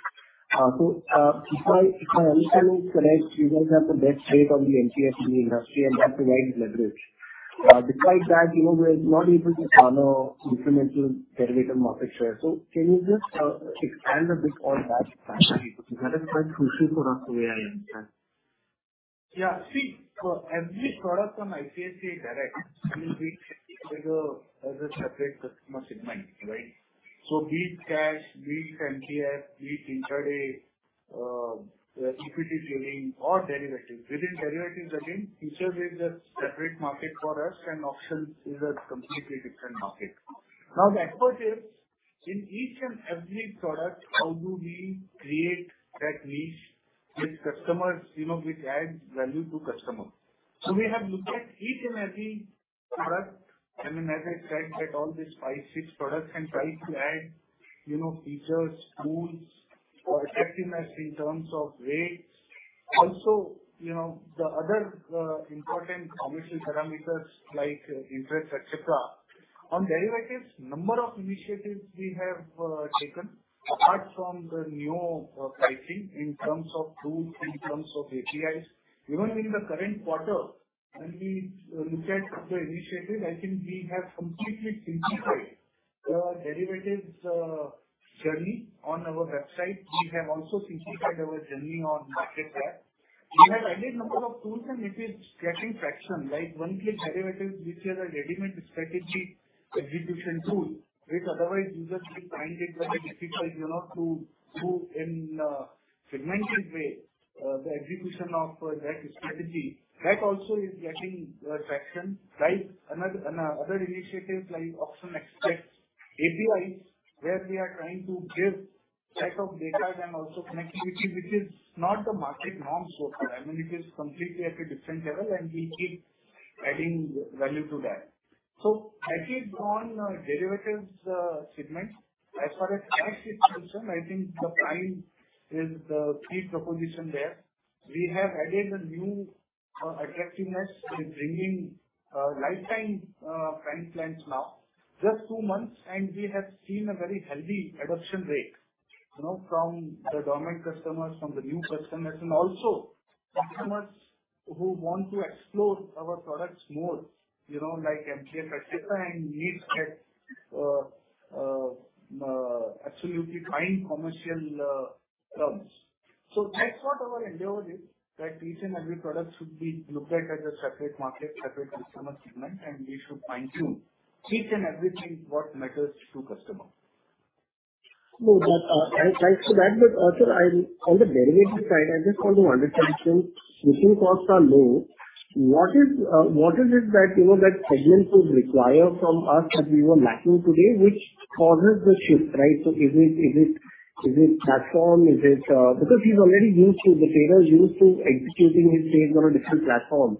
If my understanding is correct, you guys have the best rate on the NSE industry and that provides leverage. Despite that, you know, we're not able to follow incremental derivative market share. Can you just expand a bit on that front? That is my crucial product, the way I understand. Yeah. See, every product on ICICI Direct will be treated as a separate customer segment, right? Be it cash, be it PMS, be it intraday equity trading or derivatives. Within derivatives again, futures is a separate market for us and options is a completely different market. Now, the effort is in each and every product, how do we create that niche with customers, you know, which adds value to customers. We have looked at each and every product, I mean, as I said, at all these five, six products and tried to add, you know, features, tools for attractiveness in terms of rates. Also, you know, the other important commercial parameters like interest, et cetera. On derivatives, number of initiatives we have taken apart from the new pricing in terms of tools, in terms of APIs. Even in the current quarter, when we looked at the initiative, I think we have completely simplified the derivatives journey on our website. We have also simplified our journey on market chat. We have added number of tools and it is getting traction, like One Click Derivatives, which is a readymade strategy execution tool, which otherwise users will find it very difficult, you know, to do in a segmented way, the execution of that strategy. That also is getting traction. Like another initiatives like Option Expert APIs, where we are trying to give set of data and also connectivity which is not the market norm so far. I mean, it is completely at a different level and we keep adding value to that. I think on derivatives segment, as far as price is concerned, I think the client is the key proposition there. We have added a new attractiveness with bringing lifetime Prime plans now. Just two months and we have seen a very healthy adoption rate, you know, from the dormant customers, from the new customers and also customers who want to explore our products more, you know, like PMS, etc., and needs that absolutely fine commercial terms. That's what our endeavor is, that each and every product should be looked at as a separate market, separate customer segment, and we should fine-tune each and everything what matters to customers. No, that I like that. Also on the derivatives side, I just want to understand since switching costs are low, what is it that, you know, that segment would require from us that we were lacking today which causes the shift, right? Is it platform? Because the trader is already used to executing his trades on a different platform.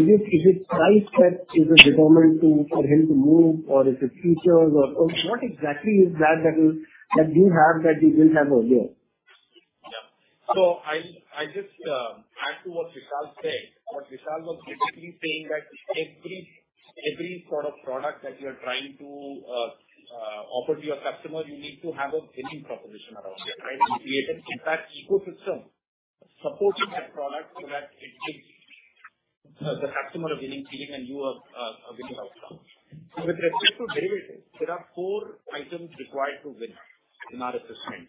Is it price that is a determinant to, for him to move or is it features or what exactly is that you have that you didn't have earlier? Yeah. I'll just add to what Vishal said. What Vishal was basically saying is that every sort of product that you're trying to offer to your customer, you need to have a winning proposition around it, right? You create an entire ecosystem supporting that product so that it gives the customer a winning feeling and you a winning outcome. With respect to derivatives, there are four items required to win in our assessment,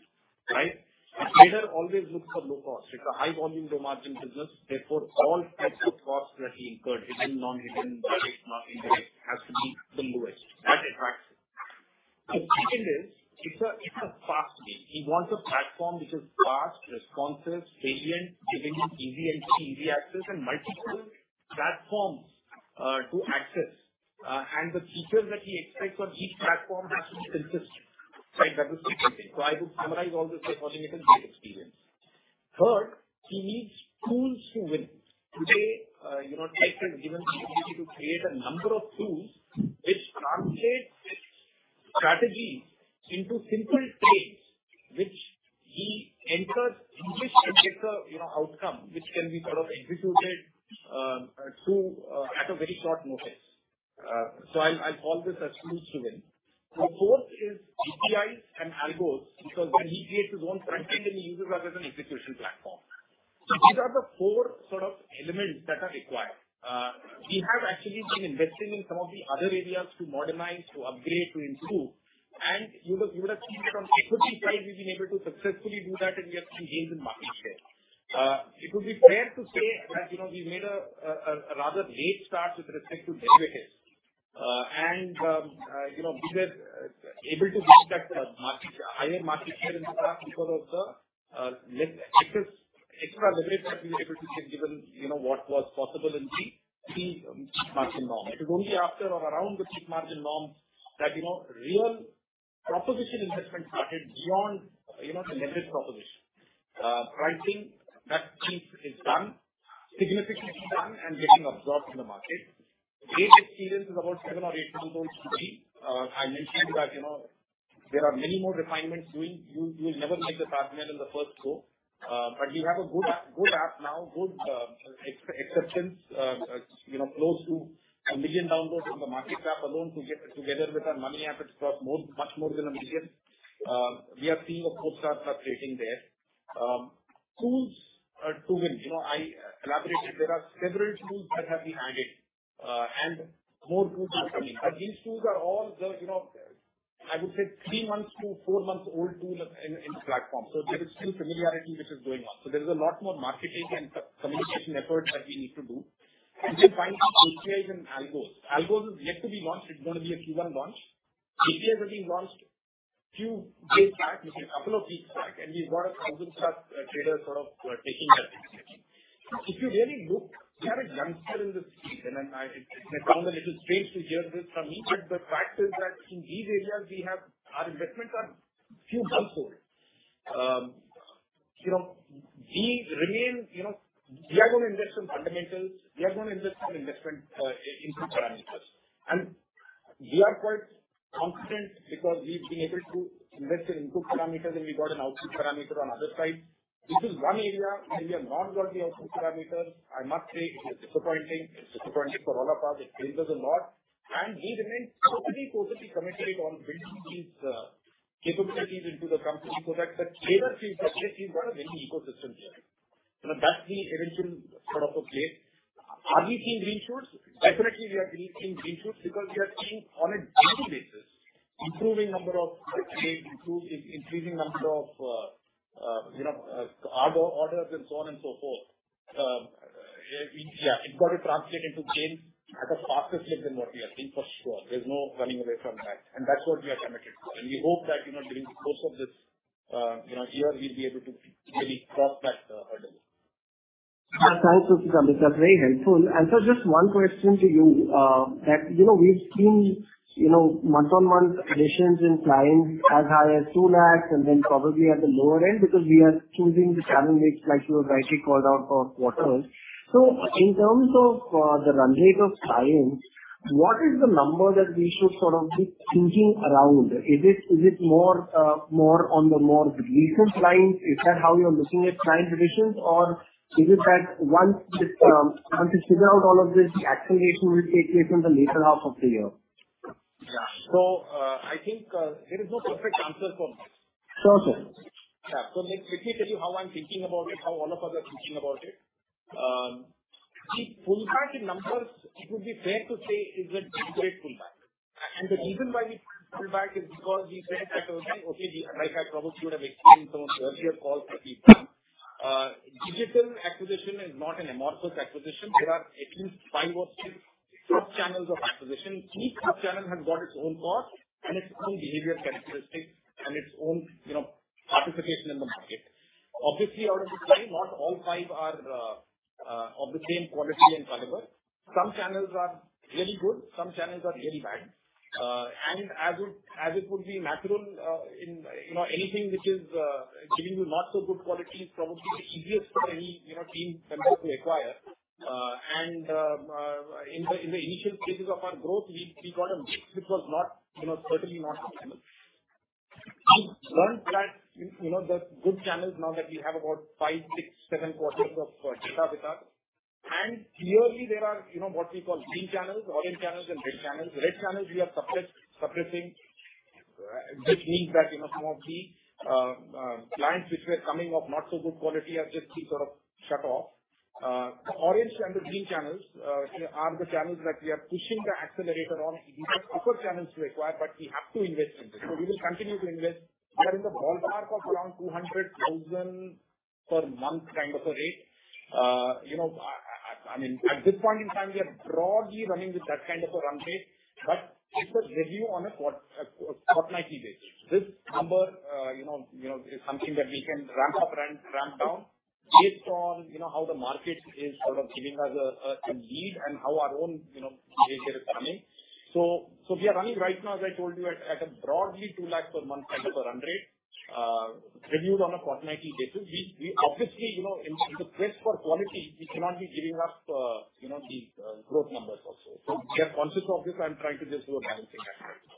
right? A trader always looks for low cost. It's a high volume, low margin business. Therefore, all types of costs that he incurred, hidden, non-hidden, direct, not indirect, has to be the lowest. That attracts him. The second is it's a fast need. He wants a platform which is fast, responsive, salient, giving him easy and free access and multiple platforms to access. The features that he expects on each platform has to be consistent, right? That would be the second. I would summarize all this by calling it a great experience. Third, he needs tools to win. Today, you know, tech has given the ability to create a number of tools which translate his strategies into simple trades which he enters in which he gets a, you know, outcome which can be sort of executed at a very short notice. I'll call this as tools to win. The fourth is APIs and algos because when he creates his own front end, then he uses that as an execution platform. These are the four sort of elements that are required. We have actually been investing in some of the other areas to modernize, to upgrade, to improve. You would have seen that on equity side we've been able to successfully do that and we have seen gains in market share. It would be fair to say that, you know, we made a rather late start with respect to derivatives. You know, we were able to give that higher market share in the past because of the extra leverage that we were able to take given, you know, what was possible in the pre-peak margin norm. It is only after or around the peak margin norm that, you know, real proposition investment started beyond, you know, the leverage proposition. Pricing that piece is significantly done and getting absorbed in the market. Great experience is about seven or eight months old today. I mentioned that, you know, there are many more refinements doing. You will never make the Taj Mahal in the first go. But we have a good app now. Good acceptance. You know, close to 1 million downloads in the Markets App alone together with our Money App it's crossed much more than 1 million. We are seeing a good start creating there. Tools to win. You know, I elaborated there are several tools that have been added and more tools are coming. But these tools are all, you know, I would say three-month to four-month-old tools in platform. So there is still familiarity which is going on. So there is a lot more marketing and communication efforts that we need to do. Then finally, APIs and Algos. Algos is yet to be launched. It's gonna be a Q1 launch. APIs have been launched a few days back, maybe a couple of weeks back, and we've got 1000+ traders sort of taking that execution. If you really look, we are a youngster in this field, and I, it may sound a little strange to hear this from me, but the fact is that in these areas we have our investments are a few months old. You know, we remain, you know, we are gonna invest on fundamentals, we are gonna invest on investment, input parameters. We are quite confident because we've been able to invest in input parameters and we got an output parameter on other side. This is one area where we have not got the output parameter. I must say it is disappointing. It's disappointing for all of us. It pains us a lot. We remain totally committed on building these capabilities into the company so that the trader feels that he's got a very ecosystem journey. You know, that's the eventual sort of a play. Have we seen green shoots? Definitely we are seeing green shoots because we are seeing on a daily basis improving number of trades, increasing number of, you know, Algolgo orders and so on and so forth. Yeah, it's got to translate into gain at a faster clip than what we have seen for sure. There's no running away from that and that's what we are committed for. We hope that, you know, during the course of this, you know, year, we'll be able to really cross that hurdle. Thanks, Vijay Chandok. It's very helpful. Just one question to you, that you know, we've seen you know, month-on-month additions in clients as high as 2 lakh and then probably at the lower end because we are choosing the channel mix like you have rightly called out for quarters. In terms of the run rate of clients, what is the number that we should sort of be thinking around? Is it more on the more recent clients? Is that how you're looking at client additions? Or is it that once you figure out all of this, the acceleration will take place in the latter half of the year? Yeah. I think there is no perfect answer for this. Sure, sure. Yeah. Let me quickly tell you how I'm thinking about it, how all of us are thinking about it. The pullback in numbers it would be fair to say is a deliberate pullback. The reason why we pulled back is because we said at that time, okay, like I probably would have explained on earlier calls to people, digital acquisition is not an amorphous acquisition. There are at least five or six top channels of acquisition. Each top channel has got its own cost and its own behavior characteristics and its own, you know, participation in the market. Obviously, out of the five, not all five are of the same quality and caliber. Some channels are really good, some channels are really bad. As it would be natural, in you know, anything which is giving you not so good quality is probably the easiest for any, you know, team member to acquire. In the initial stages of our growth, we got a mix which was not, you know, certainly not optimal. We've learned that you know, the good channels now that we have about five, six, seven quarters of data with us. Clearly there are you know, what we call green channels, orange channels and red channels. Red channels we are suppressing, which means that you know, some of the clients which were coming of not so good quality are just being sort of shut off. Orange and the green channels are the channels that we are pushing the accelerator on. These are tougher channels to acquire, but we have to invest in this. We will continue to invest. We are in the ballpark of around 200,000 per month kind of a rate. You know, I mean, at this point in time, we are broadly running with that kind of a run rate but it's a review on a quarterly basis. This number, you know, is something that we can ramp up and ramp down based on, you know, how the market is sort of giving us a lead and how our own, you know, behavior is coming. We are running right now, as I told you, at a broadly 2 lakh per month kind of a run rate, reviewed on a fortnightly basis. We obviously, you know, in the quest for quality, we cannot be giving up, you know, the growth numbers also. We are conscious of this and trying to just do a balancing act right now.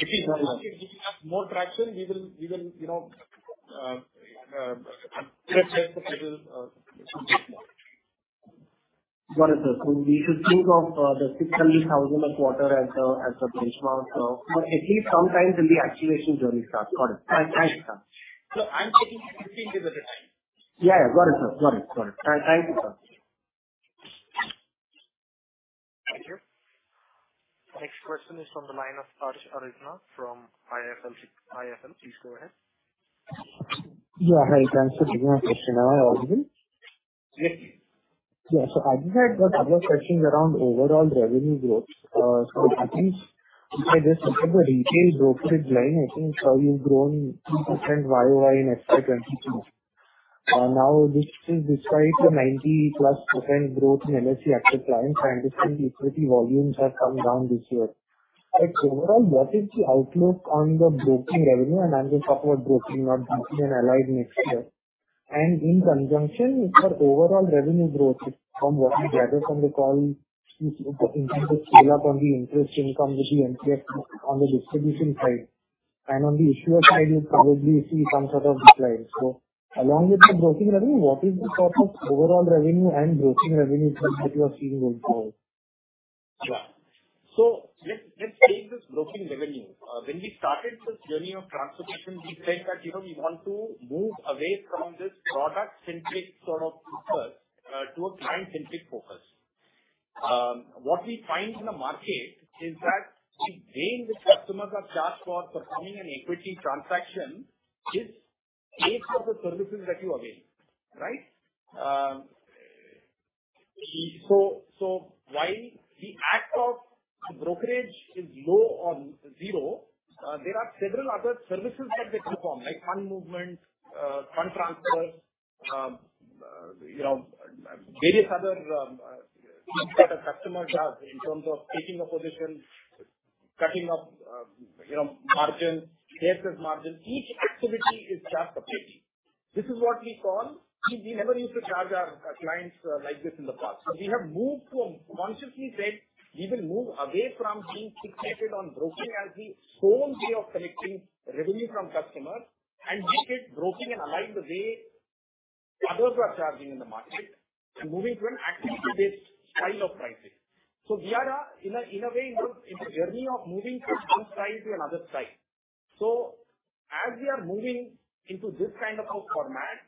If we have more traction, we will, you know, adjust as the tide changes. Got it, sir. We should think of the 600,000 a quarter as a benchmark. At least sometimes will be activation journey start. Got it. Thanks, sir. No, I'm taking 15, give or take time. Yeah, got it, sir. Got it. Thank you, sir. Thank you. Next question is from the line of Arjun Agarwal from IIFL. Please go ahead. Yeah, hi. Thanks for giving me a question. Am I audible? Yes. Yeah. I just had a couple of questions around overall revenue growth. I think if I just look at the retail brokerage line, I think you've grown 2% YOY in FY 2022. Now, this is despite the +90% growth in NSE active clients. I understand the equity volumes have come down this year. Overall, what is the outlook on the broking revenue? I'm just talking about broking, not DC and allied mixture. In conjunction with our overall revenue growth from what we gather from the call, you seem to scale up on the interest income with the NCFS on the distribution side. On the issuer side, you'll probably see some sort of decline. Along with the broking revenue, what is the sort of overall revenue and broking revenue trend that you are seeing going forward? Yeah. Let's take this broking revenue. When we started this journey of transformation, we said that, you know, we want to move away from this product-centric sort of focus to a client-centric focus. What we find in the market is that the way in which customers are charged for performing an equity transaction is based on the services that you avail, right? While the act of brokerage is low or zero, there are several other services that they perform, like fund movements, fund transfers, you know, various other stuff that a customer does in terms of taking a position, putting up, you know, margins, shares as margins. Each activity is charged separately. This is what we call. We never used to charge our clients like this in the past.. We have consciously said we will move away from being fixated on broking as the sole way of collecting revenue from customers, and we did broking and aligned the way others were charging in the market and moving to an activity-based style of pricing. We are in a way, you know, it's a journey of moving from one side to another side. We are moving into this kind of a format,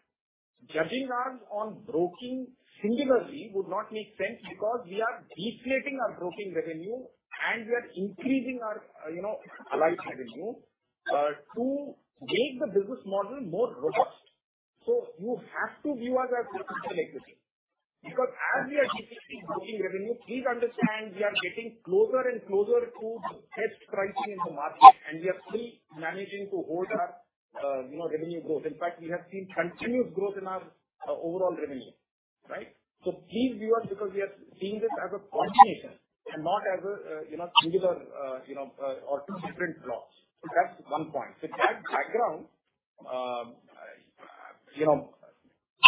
judging us on broking singularly would not make sense because we are deflating our broking revenue and we are increasing our, you know, allied revenue to make the business model more robust. You have to view us as a system like this, because as we are deflating broking revenue, please understand we are getting closer and closer to test pricing in the market, and we are still managing to hold our you know revenue growth. In fact, we have seen continuous growth in our overall revenue, right? Please view us because we are seeing this as a combination and not as a you know singular you know or two different blocks that's one point. With that background, you know,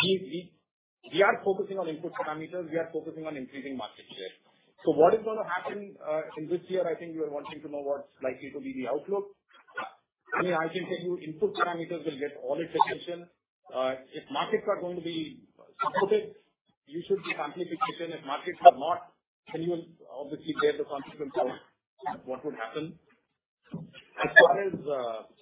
we are focusing on input parameters. We are focusing on increasing market share. What is gonna happen in this year, I think you are wanting to know what's likely to be the outlook. I mean, I can tell you input parameters will get all its attention. If markets are going to be supported, you should be completely patient. If markets are not, then you will obviously bear the consequence of what would happen. As far as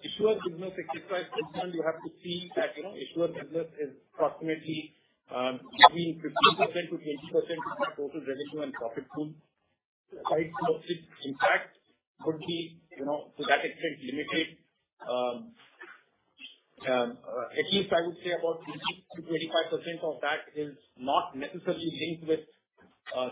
issuer business is concerned, you have to see that issuer business is approximately between 15%-20% of our total revenue and profit pool. Size of it, in fact, could be, you know, to that extent limited. At least I would say about 15%-25% of that is not necessarily linked with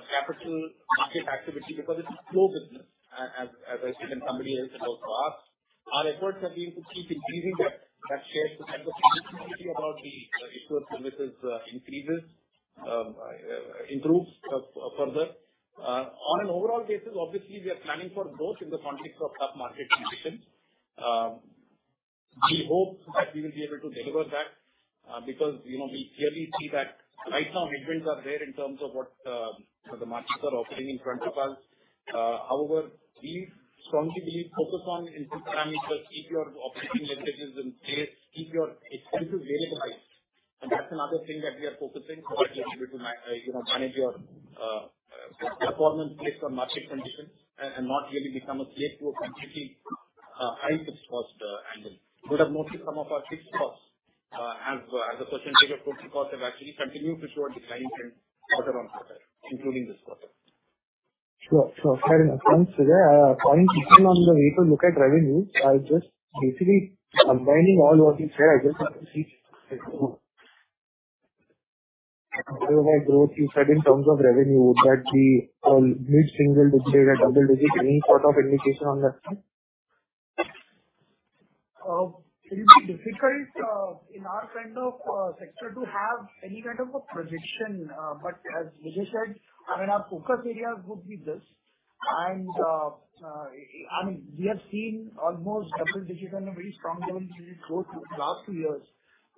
capital market activity because it's slow business, as I said, and somebody else has also asked. Our efforts are to keep increasing that share so that the dependency on the issuer services improves further. On an overall basis, obviously, we are planning for both in the context of tough market conditions. We hope that we will be able to deliver that, because, you know, we clearly see that right now headwinds are there in terms of what the markets are offering in front of us. However, we strongly believe focus on input parameters, keep your operating leverages in place, keep your expenses very low. That's another thing that we are focusing so as to be able to manage your performance based on market conditions, and not really become a slave to a completely high fixed cost angle. Our fixed costs as a percentage of total costs have actually continued to show a decline trend quarter-on-quarter, including this quarter. Sure, sure. Fair enough. Thanks, Vijay. Point two, one way to look at revenue, I'll just basically combining all what you said, the growth you said in terms of revenue. Would that be mid-single-digit or double-digit? Any sort of indication on that front? It will be difficult in our kind of sector to have any kind of a projection. As Vijay said, I mean, our focus areas would be this. I mean, we have seen almost double digit on a very strong level through growth last two years.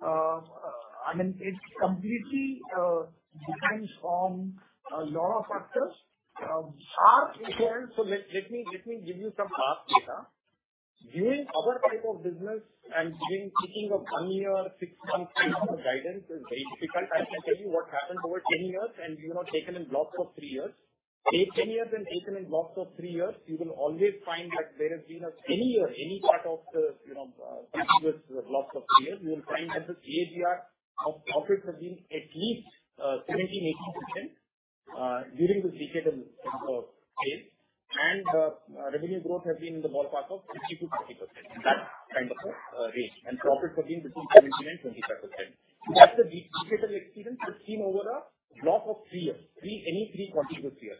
I mean, it completely depends on a lot of factors. Our experience. Let me give you some past data. In our type of business, thinking of one year, six months kind of a guidance is very difficult. I can tell you what happened over 10 years and, you know, taken in blocks of three years. In 10 years and taken in blocks of three years, you will always find that there has been any year, any part of the, you know, previous blocks of three years, you will find that the CAGR of profits have been at least, 17%, 18% during this decadal phase. The revenue growth has been in the ballpark of 60%-40%, that kind of a range. Profits have been between 17% and 25%. That's a decadal experience which came over a block of three years, any three contiguous years.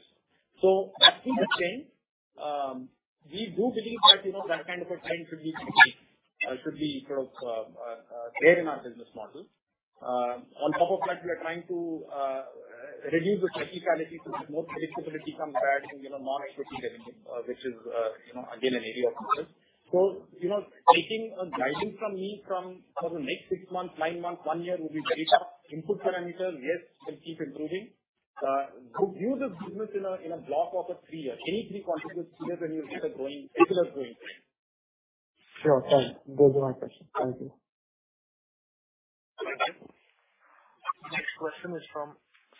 That is the trend. We do believe that, you know, that kind of a trend should be maintained, should be sort of there in our business model. On top of that, we are trying to reduce the volatility to have more predictability compared to, you know, non-equity revenue, which is, you know, again, an area of focus. You know, taking guidance from me for the next six months, nine months, one year would be very tough. Input parameters will keep improving. View this business in a block of three years. Any three contiguous years and you will get a growing, regularly growing trend. Sure. Fine. Those are my questions. Thank you. Thank you. Next question is from Sahej Mittal from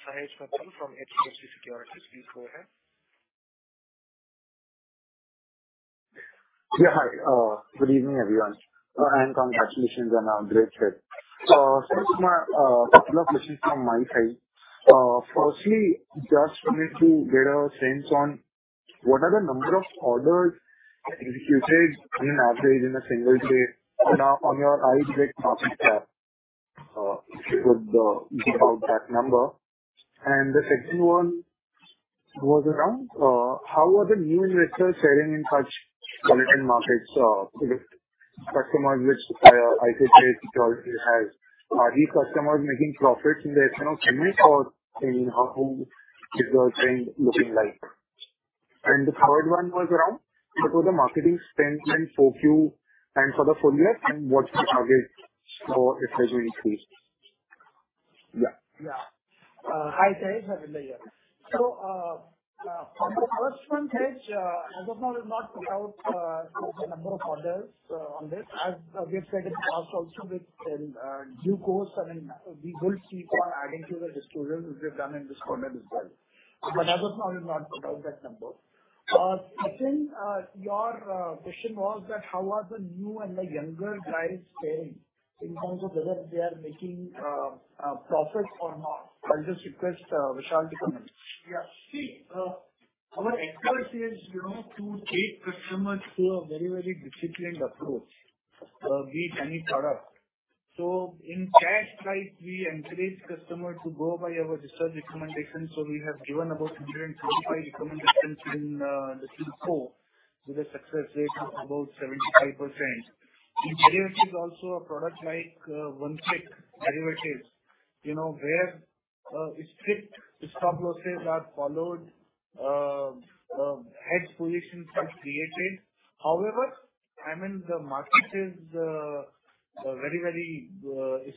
HDFC Securities. Please go ahead. Yeah, hi. Good evening, everyone, and congratulations on a great trade. First, my couple of questions from my side. Firstly, just wanted to get a sense on what are the number of orders executed in average in a single day now on your iTrade platform tab, if you could put out that number. The second one was around how are the new investors faring in such volatile markets, compared to customers which iTrade already has? Are these customers making profits in the F&O segment or, you know, how is the trend looking like? The third one was around what was the marketing spend in Q4 and for the full year and what's the target for FY 2023? Yeah. Hi, Sahej. Harvinder here. On the first one, Sahej, as of now we've not put out the number of orders on this. As Vijay said in the past also in due course, I mean, we will keep on adding to the disclosures which we have done in this quarter as well. As of now we've not put out that number. Second, your question was that how are the new and the younger guys faring in terms of whether they are making profits or not. I'll just request Vishal Gulechha to comment. See, our approach is, you know, to take customers through a very, very disciplined approach, be it any product. In cash, like we encourage customers to go by our research recommendations. We have given about 135 recommendations in the Q4 with a success rate of about 75%. In derivatives also a product like One Click Derivatives, you know, where strict stop losses are followed, hedge positions are created. However, I mean, the market is very, very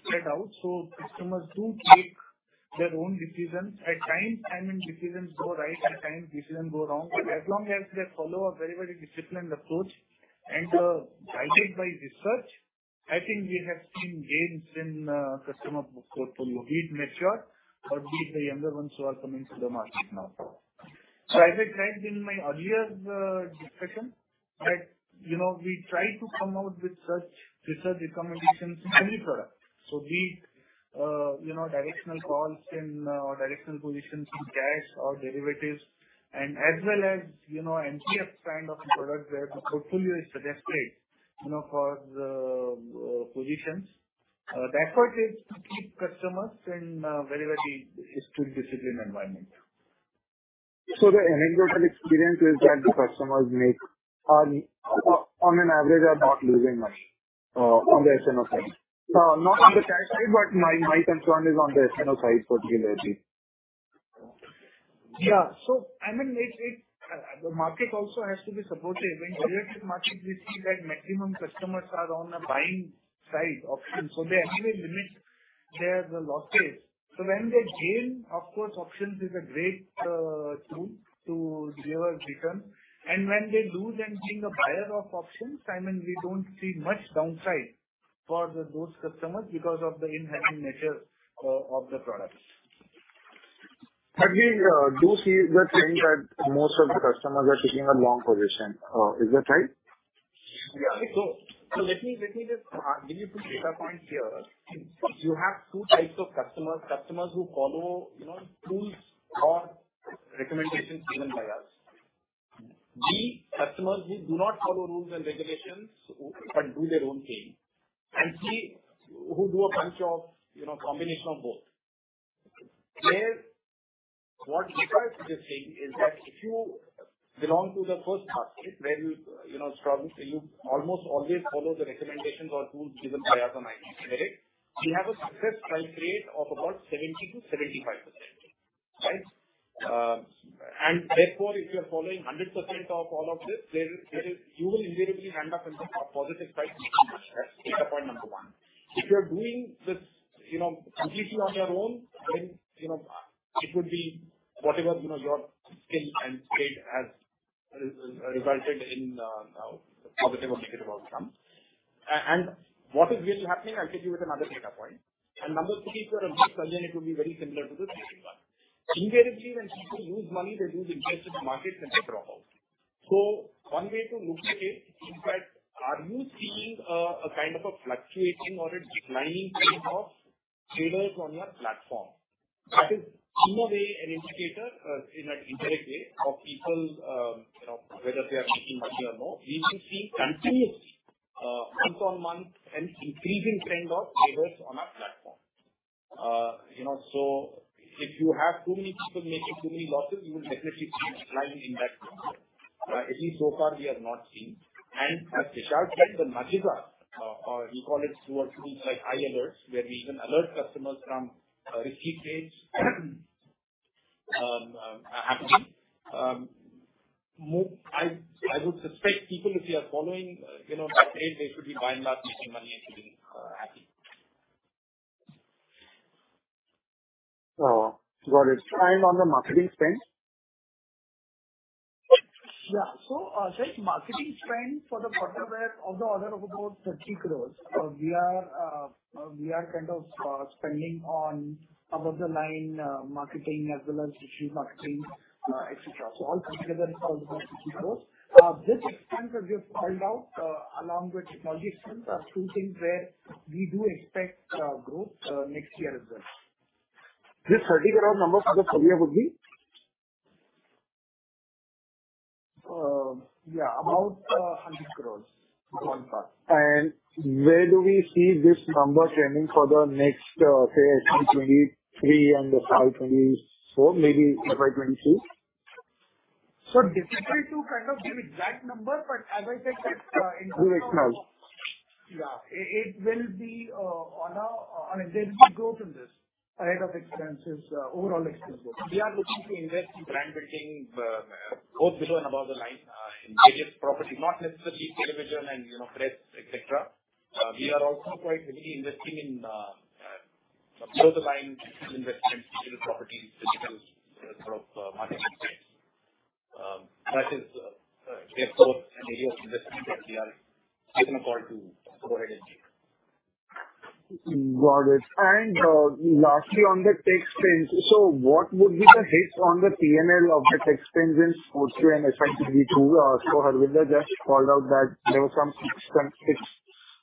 spread out, so customers do take their own decisions. At times, I mean, decisions go right, at times decisions go wrong. But as long as they follow a very, very disciplined approach and guided by research, I think we have seen gains in customer portfolio, be it mature or be it the younger ones who are coming to the market now. As I tried in my earlier discussion that, you know, we try to come out with such research recommendations in any product. Whether it be, you know, directional calls or directional positions in cash or derivatives, as well as, you know, MTF kind of a product where the portfolio is suggested, you know, for the positions. The effort is to keep customers in a very, very strict disciplined environment. The anecdotal experience is that the customers make on average are not losing money on the F&O side. Not on the cash side, but my concern is on the F&O side particularly. Yeah. I mean, the market also has to be supportive. In derivatives market we see that maximum customers are on the buying side of options, so they anyway limit their losses. When they gain, of course, options is a great tool to give a return. When they lose and being a buyer of options, I mean, we don't see much downside for those customers because of the limiting nature of the products. We do see the trend that most of the customers are taking a long position. Is that right? Let me just give you two data points here. You have two types of customers. Customers who follow, you know, tools or recommendations given by us. B, customers who do not follow rules and regulations but do their own thing. C, who do a bunch of, you know, combination of both. What we are seeing is that if you belong to the first bucket where you almost always follow the recommendations or tools given by us on myiLink, correct? We have a success rate of about 70%-75%. Therefore, if you're following 100% of all of this, you will invariably end up on the positive side. That's data point number one. If you are doing this, you know, completely on your own, then, you know, it would be whatever, you know, your skill and trade has resulted in positive or negative outcome. What is really happening, I'll give you another data point. Number two, if you are a new customer, it will be very similar to the second one. Invariably, when people lose money, they lose interest in markets and they drop out. One way to look at it is that are you seeing a kind of a fluctuating or a declining trend of traders on your platform? That is in a way an indicator in an indirect way of people, you know, whether they are making money or no. We should see continuous month-on-month an increasing trend of traders on our platform. You know, if you have too many people making too many losses, you will definitely see a decline in that number. At least so far we have not seen. As Vishal Gulechha said, the margins are, you call it, through our tools like iAlert, where we even alert customers from risky trades happening. I would suspect people, if you are following, you know, that trade, they should be by and large making money and should be happy. Oh, got it. On the marketing spend? Yeah. The marketing spend for the quarter were of the order of about 30 crores. We are kind of spending on above-the-line marketing as well as digital marketing, etc.. All put together is about INR 30 crores. This expense that we have called out, along with technology expense are two things where we do expect growth next year as well. This INR 30 crore number for the full year would be? Yeah, about 100 crore upon path. Where do we see this number trending for the next, say FY 2023 and FY 2024, maybe FY 2022? Difficult to kind of give exact number, but as I said that, in- Give it close. Yeah. It will be on a daily growth in this. Ahead of expenses, overall expense growth. We are looking to invest in brand building, both below and above the line, in various property, not necessarily television and, you know, press, etc.. We are also quite heavily investing in above-the-line digital investments, digital properties, digital sort of marketing space. That is therefore an area of investment that we are looking forward to go ahead and do. Got it. Lastly on the tech spend. What would be the hit on the P&L of the tech spend in Q2 and FY 2022? Harvinder just called out that there were some 600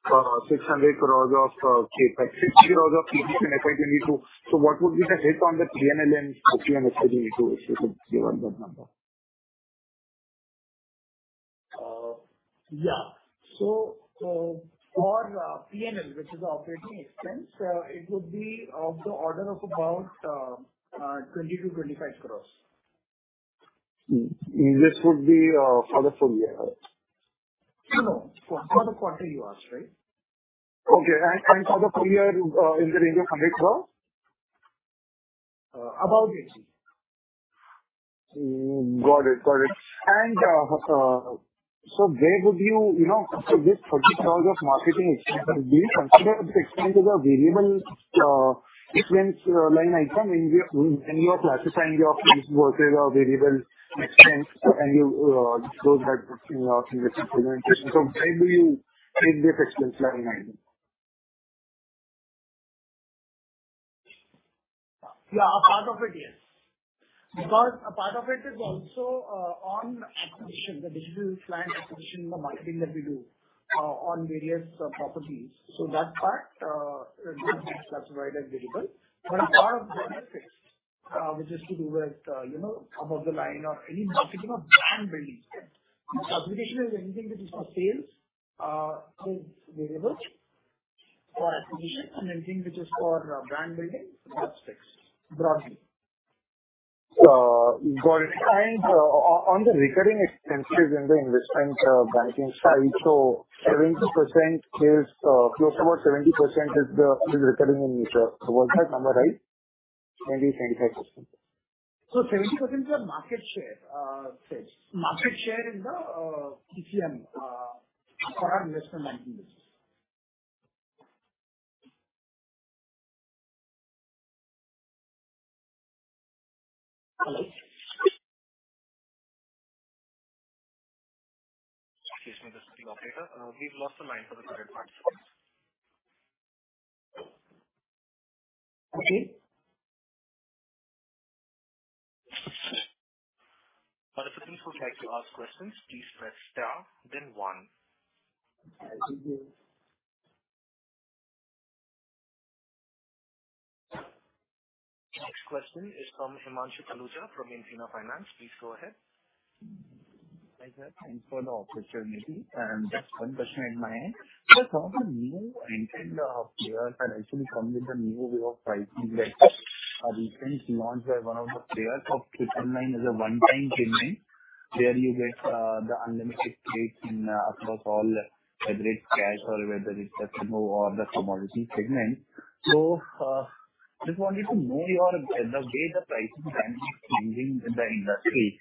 crores of CapEx, 60 crores of CapEx in FY 2022. What would be the hit on the P&L in Q2 and FY 2022, if you could give us that number? For OpEx, which is P&L operating expense, it would be of the order of about 20 crore-25 crore. This would be for the full year? No, for the quarter you asked, right? Okay. For the full year, in the range of 100 crores? About it, yes. Got it. Where would you know, so this 30 crore of marketing expense, do you consider the expense as a variable expense line item when you are classifying your fixed versus your variable expense and you close that in your investment? Where do you take this expense line item? Yeah. Part of it, yes. Because a part of it is also on acquisition, the digital client acquisition, the marketing that we do on various properties. So that part we have classified as variable. But a part of that is fixed, which is to do with you know, above the line or any marketing or brand building spend. So acquisition is anything which is for sales is variable for acquisition and anything which is for brand building, that's fixed. Broadly. Got it. On the recurring expenses in the investment banking side, 70% is close, about 70% is recurring in nature. Was that number right? 75%. 70% is our market share in the ECM for our investment banking business. Excuse me just one second. We've lost Sahej for the current part. Sahej? Other participants who would like to ask questions, please press star then one. As you do. The next question is from Himanshu Taluja from Envision Capital. Please go ahead. Hi, sir. Thanks for the opportunity. Just one question on my end. Some of the new entrant players have actually come with a new way of pricing that a recent launch by one of the players of trade online is a one-time payment where you get the unlimited trades across all, whether it's cash or whether it's the F&O or the commodity segment. Just wanted to know the way the pricing dynamic is changing in the industry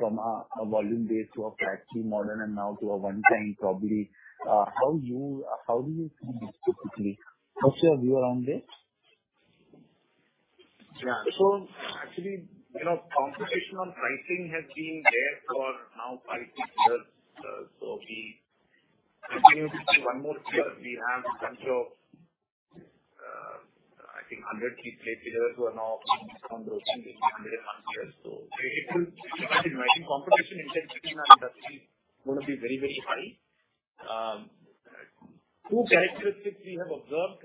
from a volume-based to a flat-fee model and now to a one-time probably, how you see this specifically. What's your view around it? Actually, you know, competition on pricing has been there for now five-six years. We continue to see one more year. We have a bunch of, I think 100+ players who are now on those 101 players. It will continue. I think competition in tech industry is gonna be very, very high. Two characteristics we have observed.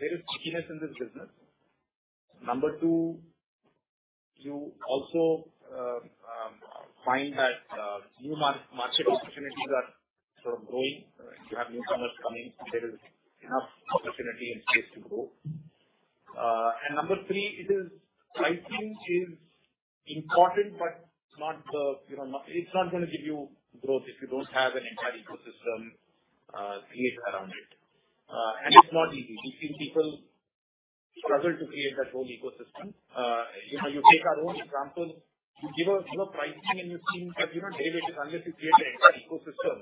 There is stickiness in this business. Number two, you also find that new market opportunities are sort of growing. You have newcomers coming. There is enough opportunity and space to grow. Number three, pricing is important, but it's not the, you know, it's not gonna give you growth if you don't have an entire ecosystem created around it. It's not easy. We've seen people struggle to create that whole ecosystem. You know, you take our own example. You give a, you know, pricing and you've seen that, you know, derivatives, unless you create an entire ecosystem,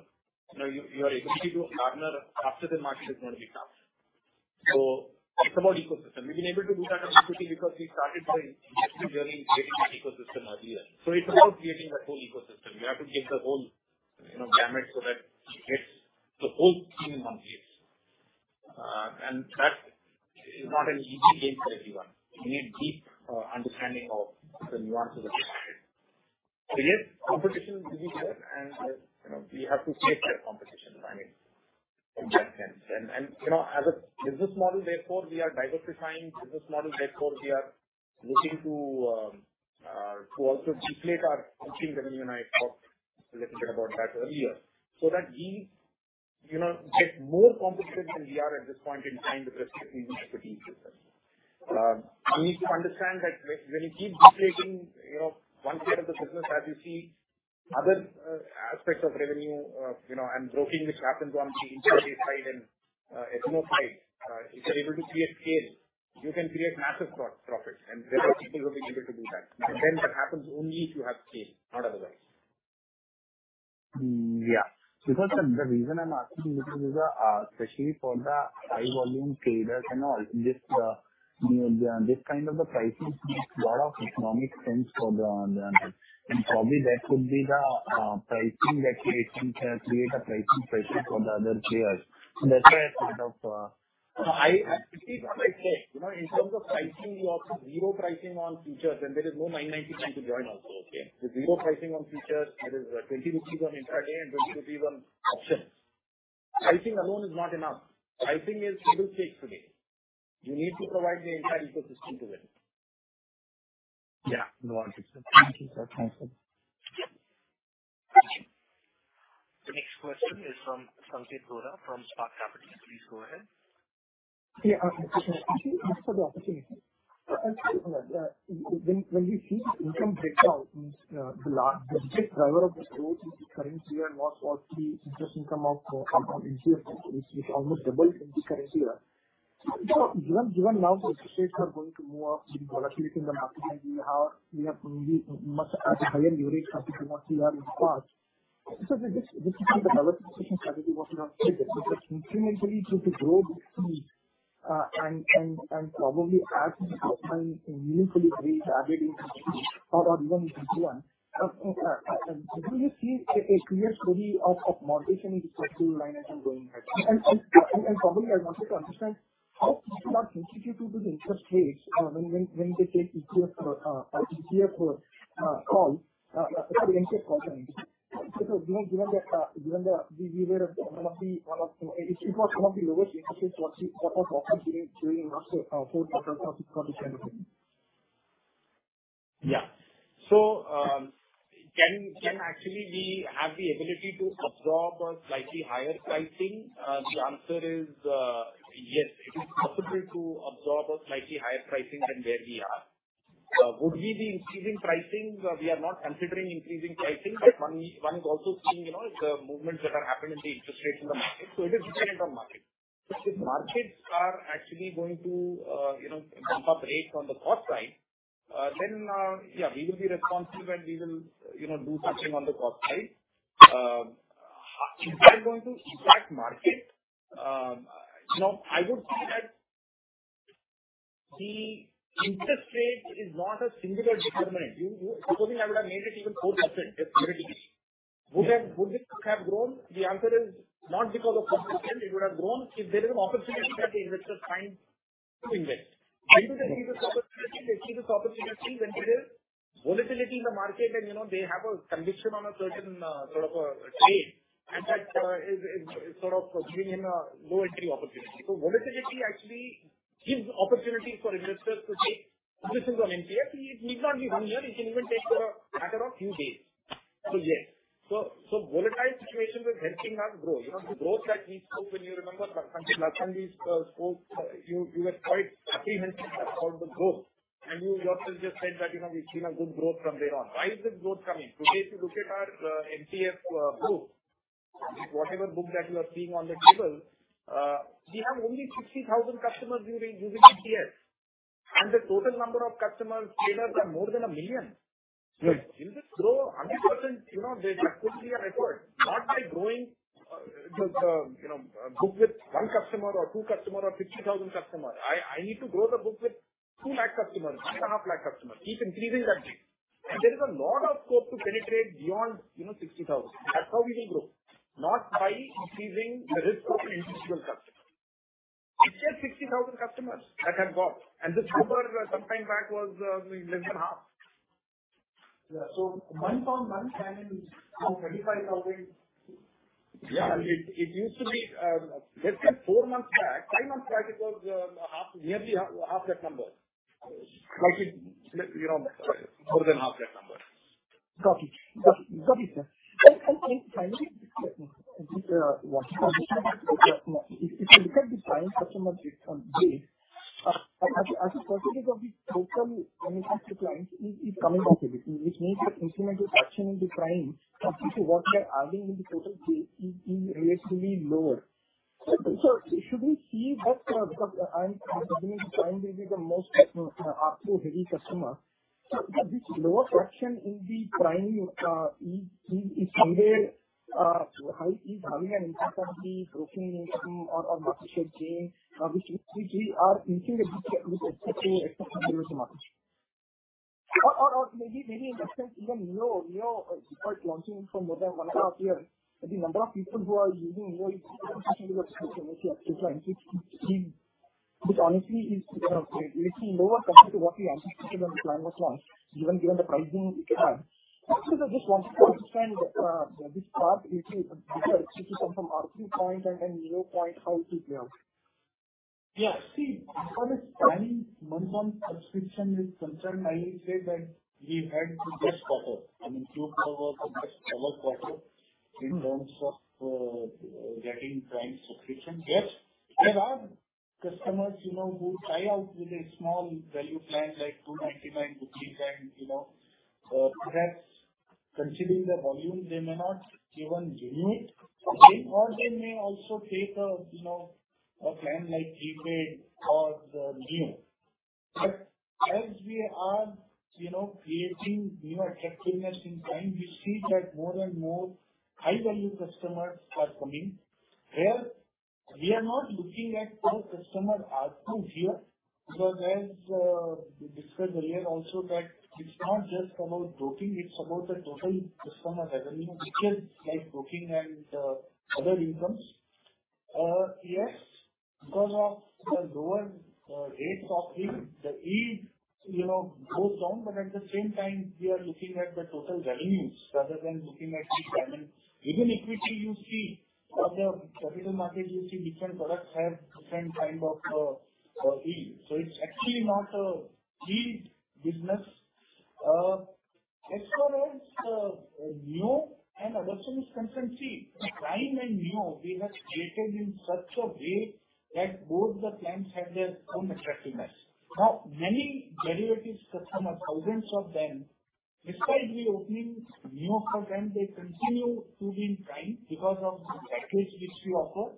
you know, your ability to garner after the market is gonna be tough. It's about ecosystem. We've been able to do that at Upstox because we started our investment journey in creating that ecosystem earlier. It's about creating that whole ecosystem. You have to get the whole, you know, gamut so that it gets the whole thing in one place., that is not an easy game for everyone. You need deep understanding of the nuances of this market. Yes, competition will be there and, you know, we have to take that competition running from that sense. You know, as a business model, therefore we are diversifying business model, therefore we are looking to also deflate our broking revenue, and I talked a little bit about that earlier, so that we, you know, get more competitive than we are at this point in time with respect to the equity business. You need to understand that when you keep deflating, you know, one part of the business as you scale other aspects of revenue, you know, and broking, which happens on the intraday side and F&O side, if you are able to create scale, you can create massive profits and very few people will be able to do that. That happens only if you have scale, not otherwise. Yeah. Because the reason I'm asking you this is, especially for the high volume traders, you know, this kind of a pricing makes a lot of economic sense for the. Probably that could be the pricing that you're looking to create pricing pressure for the other players. That's why I sort of. It is what I said. You know, in terms of pricing, we offer zero pricing on futures and there is no 999 to join also. Okay. With zero pricing on futures, that is 20 rupees on intraday and 20 rupees on options. Pricing alone is not enough. Pricing is table stakes today. You need to provide the entire ecosystem to win. Yeah. No, 100%. Thank you, sir. Thanks for that. The next question is from Sanketh Godha from Spark Capital. Please go ahead. Yeah. Thanks for the opportunity. Actually, when we see income breakdown, the big driver of this growth in the current year was all the interest income from NCF which almost doubled in the current year. Given now the interest rates are going to be more volatility in the market and we have maybe much higher duration securities than what we have in the past. This is where the diversification strategy was- Yeah. Just incrementally to grow this stream, and probably add some upfront meaningfully very targeted initiatives or even in 2021, do you see a clear story of monetization in this revenue line as you're going ahead? And probably I wanted to understand how Upstox contribute to the interest rates when they take ETF or ETF or call, how the interest calls are made? You know, given that, given the we were one of the one of. It was one of the lowest interest rates what was offered during last four quarters or six quarters generally? Yeah. Can actually we have the ability to absorb a slightly higher pricing? The answer is, yes. It is possible to absorb a slightly higher pricing than where we are. Would we be increasing pricing? We are not considering increasing pricing, but one is also seeing, you know, the movements that are happening in the interest rates in the market, so it is dependent on market. If markets are actually going to, you know, bump up rates on the cost side, then we will be responsive and we will, you know, do something on the cost side. If that is going to impact market, you know, I would say that the interest rate is not a singular determinant. Supposing I would have made it even 4% just for the sake, would it have grown? The answer is not, because of competition, it would have grown. If there is an opportunity that the investor finds to invest. When do they see this opportunity? They see this opportunity when there is volatility in the market and, you know, they have a conviction on a certain sort of a trade and that is sort of giving him a low entry opportunity. Volatility actually gives opportunity for investors to take decisions on MTF. It need not be one year, it can even take for a matter of few days. Yeah. Volatile situations are helping us grow. You know, the growth that we spoke when you remember Sanketh’s quote, you were quite happy and excited about the growth. You yourself just said that, you know, we've seen a good growth from day one. Why is this growth coming? Today, if you look at our MTF book, whatever book that you are seeing on the table, we have only 60,000 customers using MTF. The total number of customers, traders are more than 1 million. Right. Will this grow 100%? You know, that could be a record, not by growing, you know, the book with one customer or two customer or 50,000 customer. I need to grow the book with 200,000 customers, 250,000 customers. Keep increasing that base. There is a lot of scope to penetrate beyond, you know, 60,000. That's how we will grow, not by increasing the risk of an individual customer. It's just 60,000 customers that I've got. This number sometime back was less than half. Yeah. Month-on-month timing is now 25,000? Yeah. It used to be less than four months back, five months back, it was nearly half that number. Now it is, you know, more than half that number. Got it, sir. Finally, just one small question. If you look at the Prime customer base, as a percentage of the total money under clients is coming down a bit, which means that incremental collection in the Prime versus what we are adding in the total base is relatively lower? Should we see that, because I'm beginning to find this is the most ARPU heavy customer. This lower collection in the Prime is somewhere having an impact on the broking or market share gain, which we are incurring this as an acceptable loss in the market? Maybe investors even know NEO despite launching for more than 1.one and half years, the number of people who are using NEO is still relatively small compared to Prime, which honestly is relatively lower compared to what we anticipated when the plan was launched, given the pricing we have? I just want to understand this part, if you come from R3 point and then NEO point, how it is playing out? Yeah. See, as far as Prime month on subscription is concerned, I will say that we had the best offer. I mean, Q4 was the best ever offer in terms of getting Prime subscription. Yes, there are customers, you know, who try out with a small value plan like 299 rupees, INR 259, you know. Perhaps considering the volume they may not even renew- Okay. They may also take a, you know, a plan like prepaid or the NEO. As we are, you know, creating more attractiveness in Prime, we see that more and more high-value customers are coming. We're not looking at the customer ARPU here, because as we discussed earlier also that it's not just about broking, it's about the total customer revenue, which is like broking and other incomes. Yes, because of the lower rates of yield, the E, you know, goes down, but at the same time, we are looking at the total revenues rather than looking at each element. Even equity you see or the capital market you see different products have different kind of yield. So it's actually not a yield business. As far as NEO and adoption is concerned, Prime and NEO, we have created in such a way that both the plans have their own attractiveness. Now, many derivative customers, thousands of them, despite we opening NEO for them, they continue to be in Prime because of the package which we offer.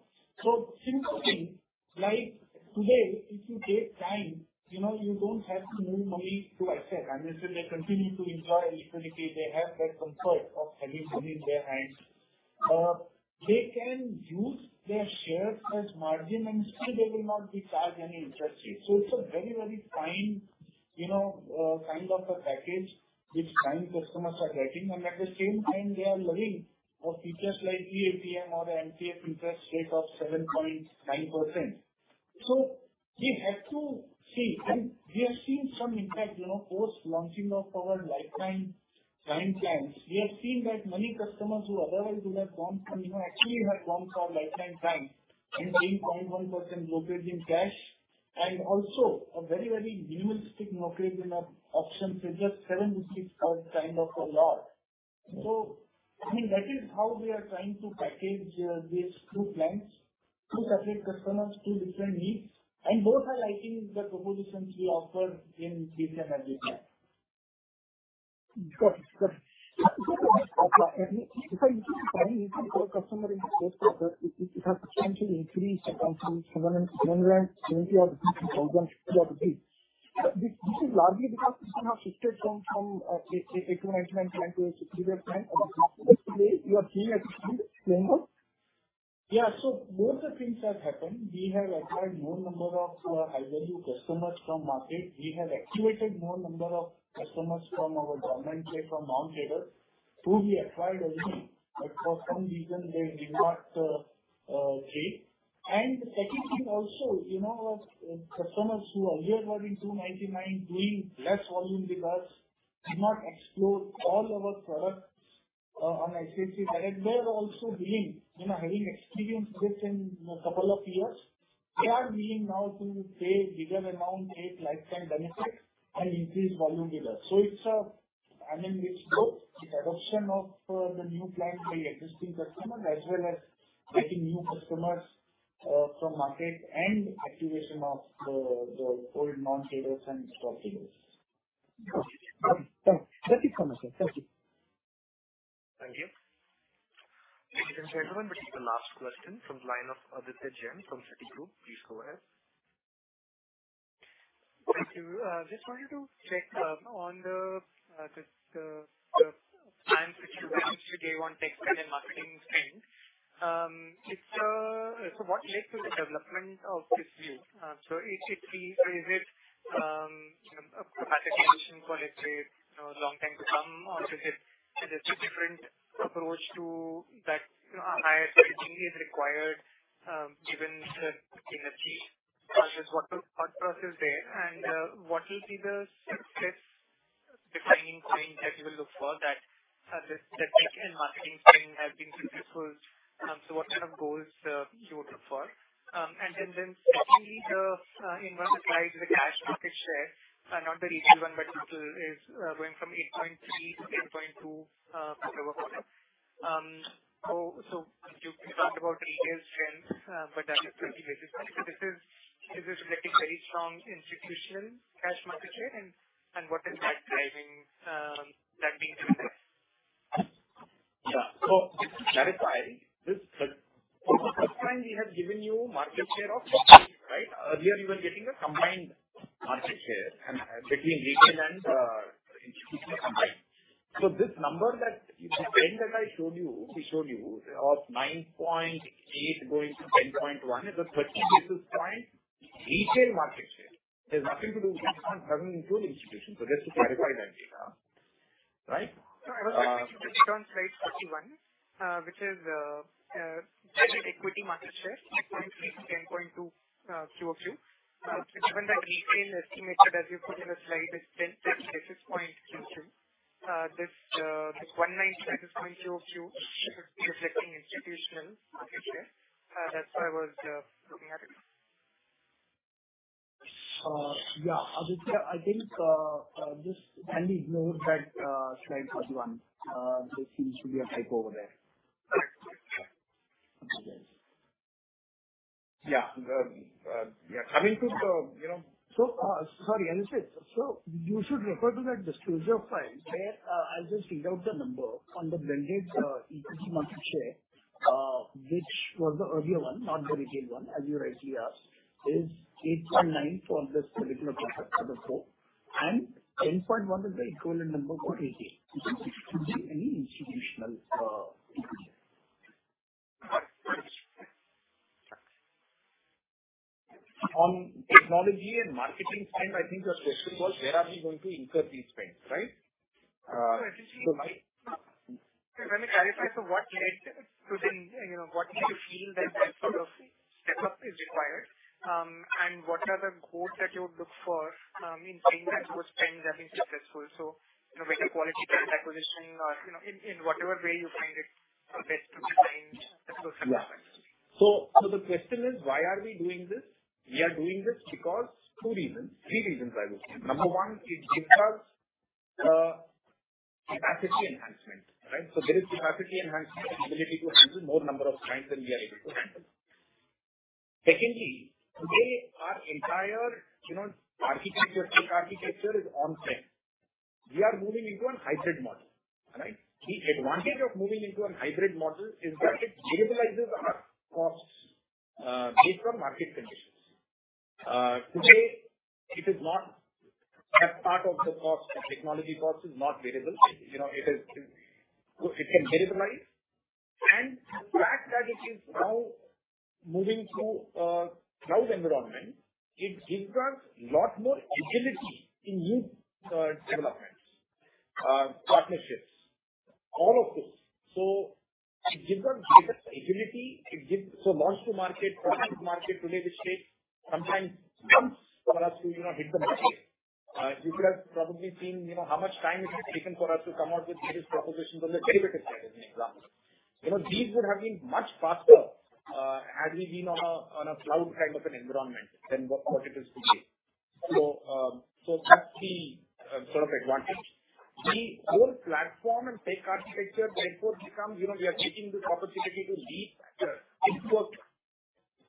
Simple thing, like today, if you take Prime, you know you don't have to move money to ICICI. I mean, say they continue to enjoy liquidity. They have that comfort of having money in their hands. They can use their shares as margin, and still they will not be charged any interest rate. It's a very, very fine, you know, kind of a package which Prime customers are getting, and at the same time they are loving our features like eATM or the MTF interest rate of 7.9%. We have to see. I mean, we have seen some impact, you know, post launching of our lifetime Prime plans. We have seen that many customers who otherwise would have gone from, you know, actually have gone for lifetime Prime and paying 0.1% brokerage in cash and also a very, very minimalistic brokerage in our options futures 0.07%-0.06% or kind of a lot. I mean, that is how we are trying to package these two plans to suit customers two different needs, and both are liking the propositions we offer in given as we said. Got it. If I look at the Prime user per customer in the first quarter, it has potentially increased from 770-odd to 800-odd. This is largely because people have shifted from equity management plan to a superior plan. About how much today you are seeing a similar number? Yeah. Both the things have happened. We have acquired more number of high-value customers from market. We have activated more number of customers from our dormant side, from non-payers, who we acquired already, but for some reason they did not pay. The second thing also, you know, our customers who earlier were in 299 doing less volume with us did not explore all our products on ICICI Direct. They are also willing. You know, having experienced this in a couple of years, they are willing now to pay bigger amount, take lifetime benefit and increase volume with us. It's, I mean, it's both. It's adoption of the new plan by existing customers, as well as getting new customers from market and activation of the old non-payers and slow payers. Okay. Done. That's it for myself. Thank you. Thank you. This is everyone. This is the last question from the line of Aditya Jain from Citigroup. Please go ahead. Thank you. Just wanted to check on the plans which you mentioned today on tech spend and marketing spend. What led to the development of this view? Is it, you know, a capacity issue for HDFC, you know, long time to come? Or is it a different approach to that, you know, higher spend which is required, given the, you know, the change? Just what the thought process there and what will be the success defining points that you will look for that this, the tech and marketing spend has been successful? What kind of goals you would look for? Secondly, in one of the slides, the cash market share, not the retail one, but total, is going from 8.3%-10.2%, quarter-over-quarter. You talked about retail trends, but that is pretty visible. Is this reflecting very strong institutional cash market share and what is that driving, that being different? Yeah. That is why this. For the first time we have given you market share of total, right? Earlier you were getting a combined market share between retail and institutional combined. This number, the trend that we showed you of 9.8 going to 10.1, is a 30 basis point retail market share. It has nothing to do with our institutional. Just to clarify that, Aditya. Right? No, I was looking at the data on slide 31, which is total equity market share, 8.3%-10.2% quarter-over-quarter. Given that retail estimated, as you put in the slide, is 10+ basis point increase, this one percentage point quarter-over-quarter should be reflecting institutional market share. That's why I was looking at it. Aditya, I think just kindly ignore that slide 31. There seems to be a typo over there. Correct. Sorry, Aditya. You should refer to that disclosure file where I'll just read out the number on the blended equity market share, which was the earlier one, not the retail one, as you rightly asked, is 8.9% for this particular quarter four, and 10.1% is the equivalent number for FY 2018. There shouldn't be any institutional issue. On technology and marketing spend, I think your question was where are we going to incur these spends, right? So my- Let me clarify. What led to the, you know, what made you feel that that sort of spend is required? And what are the goals that you would look for, in saying that those spends have been successful? You know, better quality lead acquisition or, you know, in whatever way you find it best to design those metrics. The question is, why are we doing this? We are doing this because two reasons, three reasons, I would say. Number one, it gives us capacity enhancement, right? There is capacity enhancement, the ability to handle more number of clients than we are able to handle. Secondly, today our entire architecture, tech architecture is on-prem. We are moving into a hybrid model, right? The advantage of moving into a hybrid model is that it variablizes our costs based on market conditions. Today it is not a part of the cost. The technology cost is not variable. It can variablize. The fact that it is now moving to a cloud environment gives us a lot more agility in new developments, partnerships, all of those. It gives us greater agility. Launch to market, product to market today, which takes sometimes months for us to, you know, hit the market. You could have probably seen, you know, how much time it has taken for us to come out with various propositions on the derivatives side, as an example. You know, these would have been much faster had we been on a cloud kind of an environment than what it is today, that's the sort of advantage. The whole platform and tech architecture therefore becomes, you know, we are taking this opportunity to leapfrog into a,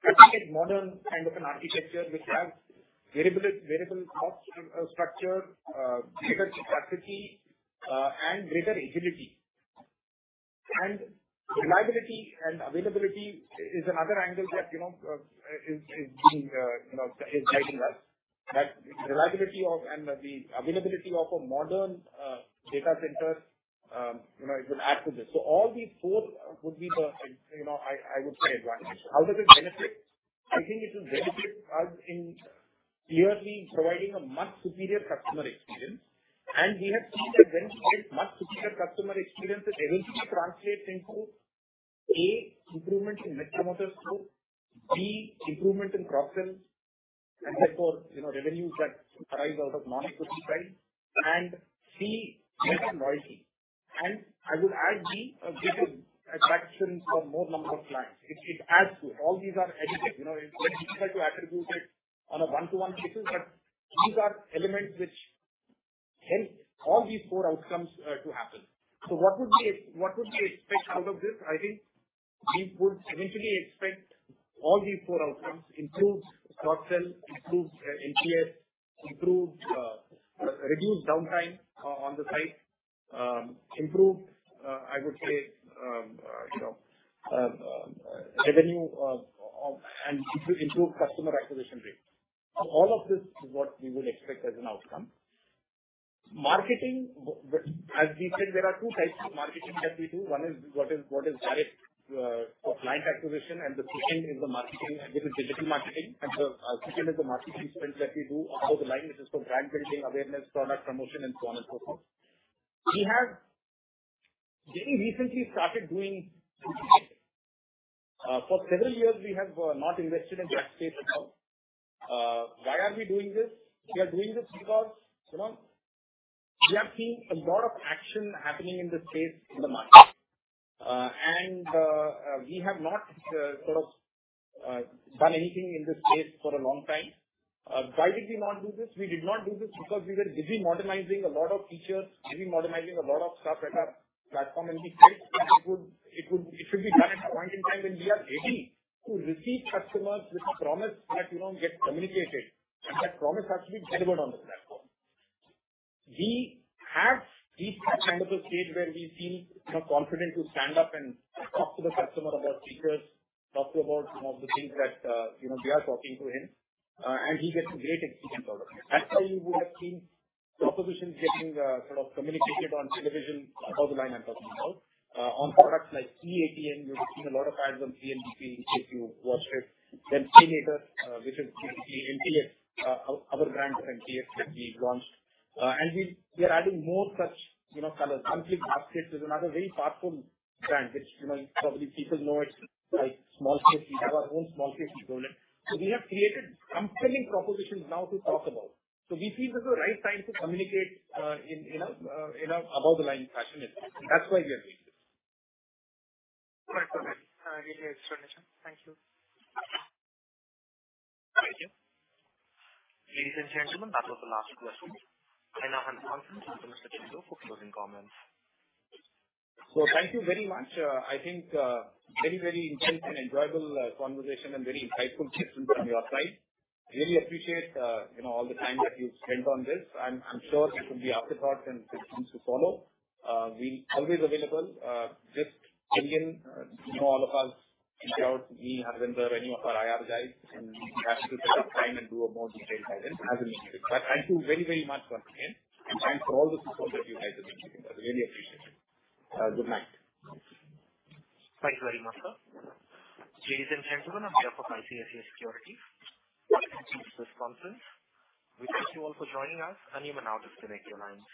I think, a modern kind of an architecture which has variable cost structure, bigger capacity, and greater agility. Reliability and availability is another angle that, you know, is being, you know, is guiding us. That reliability and the availability of a modern data center, you know, it would add to this. All these four would be the, you know, I would say advantage. How does it benefit? I think it will benefit us in clearly providing a much superior customer experience. We have seen that when we get much superior customer experience, it eventually translates into A, improvement in net promoter score. B, improvement in cross-sells, and therefore, you know, revenues that arise out of non-subscription. C, better loyalty. I would add D, given attraction for more number of clients. It adds to it. All these are additive. You know, it's very difficult to attribute it on a one-to-one basis but these are elements which help all these four outcomes to happen. What would we expect out of this? I think we would eventually expect all these four outcomes, improved cross-sell, improved NPS, improved reduced downtime on the site, improved, I would say, you know, revenue and improved customer acquisition rate. All of this is what we would expect as an outcome. Marketing. As we said, there are two types of marketing that we do. One is what is direct for client acquisition, and the second is the marketing, which is digital marketing. The second is the marketing spend that we do above the line, which is for brand building, awareness, product promotion and so on and so forth. We have very recently started doing, for several years we have not invested in that space at all. Why are we doing this? We are doing this because, you know, we have seen a lot of action happening in this space in the market. We have not sort of done anything in this space for a long time. Why did we not do this? We did not do this because we were busy modernizing a lot of features, busy modernizing a lot of stuff at our platform, and we felt that it should be done at a point in time when we are ready to receive customers with a promise that, you know, gets communicated and that promise has to be delivered on the platform. We have reached that kind of a stage where we feel, you know, confident to stand up and talk to the customer about features, talk about, you know, the things that we are talking to him, and he gets a great experience out of it. That's why you would have seen propositions getting sort of communicated on television above the line I'm talking about, on products like eATM. You would have seen a lot of ads on IPL in case you watched it. Then Pay Later which is basically NPS, our brand for NPS that we launched. We are adding more such, you know, colors. Complete Basket is another key platform brand which, you know, probably people know it by smallcase. We have our own smallcase we build it. We have created compelling propositions now to talk about. We feel this is the right time to communicate in a above the line fashion at least. That's why we are doing this. Right. Okay. I get your explanation. Thank you. Thank you. Ladies and gentlemen, that was the last question. Now on the conference, Mr. Vijay Chandok for closing comments. Thank you very much. I think very, very intense and enjoyable conversation and very insightful questions on your side. Really appreciate you know, all the time that you spent on this. I'm sure there will be afterthoughts and questions to follow. We always available. Just ping in you know, all of us. Reach out to me, Harvinder, any of our IR guys, and we'll be happy to set up time and do a more detailed guidance as and when needed. Thank you very, very much once again, and thanks for all the support that you guys have been giving us. I really appreciate it. Good night. Thanks very much, sir. Ladies and gentlemen, on behalf of ICICI Securities this conference, we thank you all for joining us, and you may now disconnect your lines.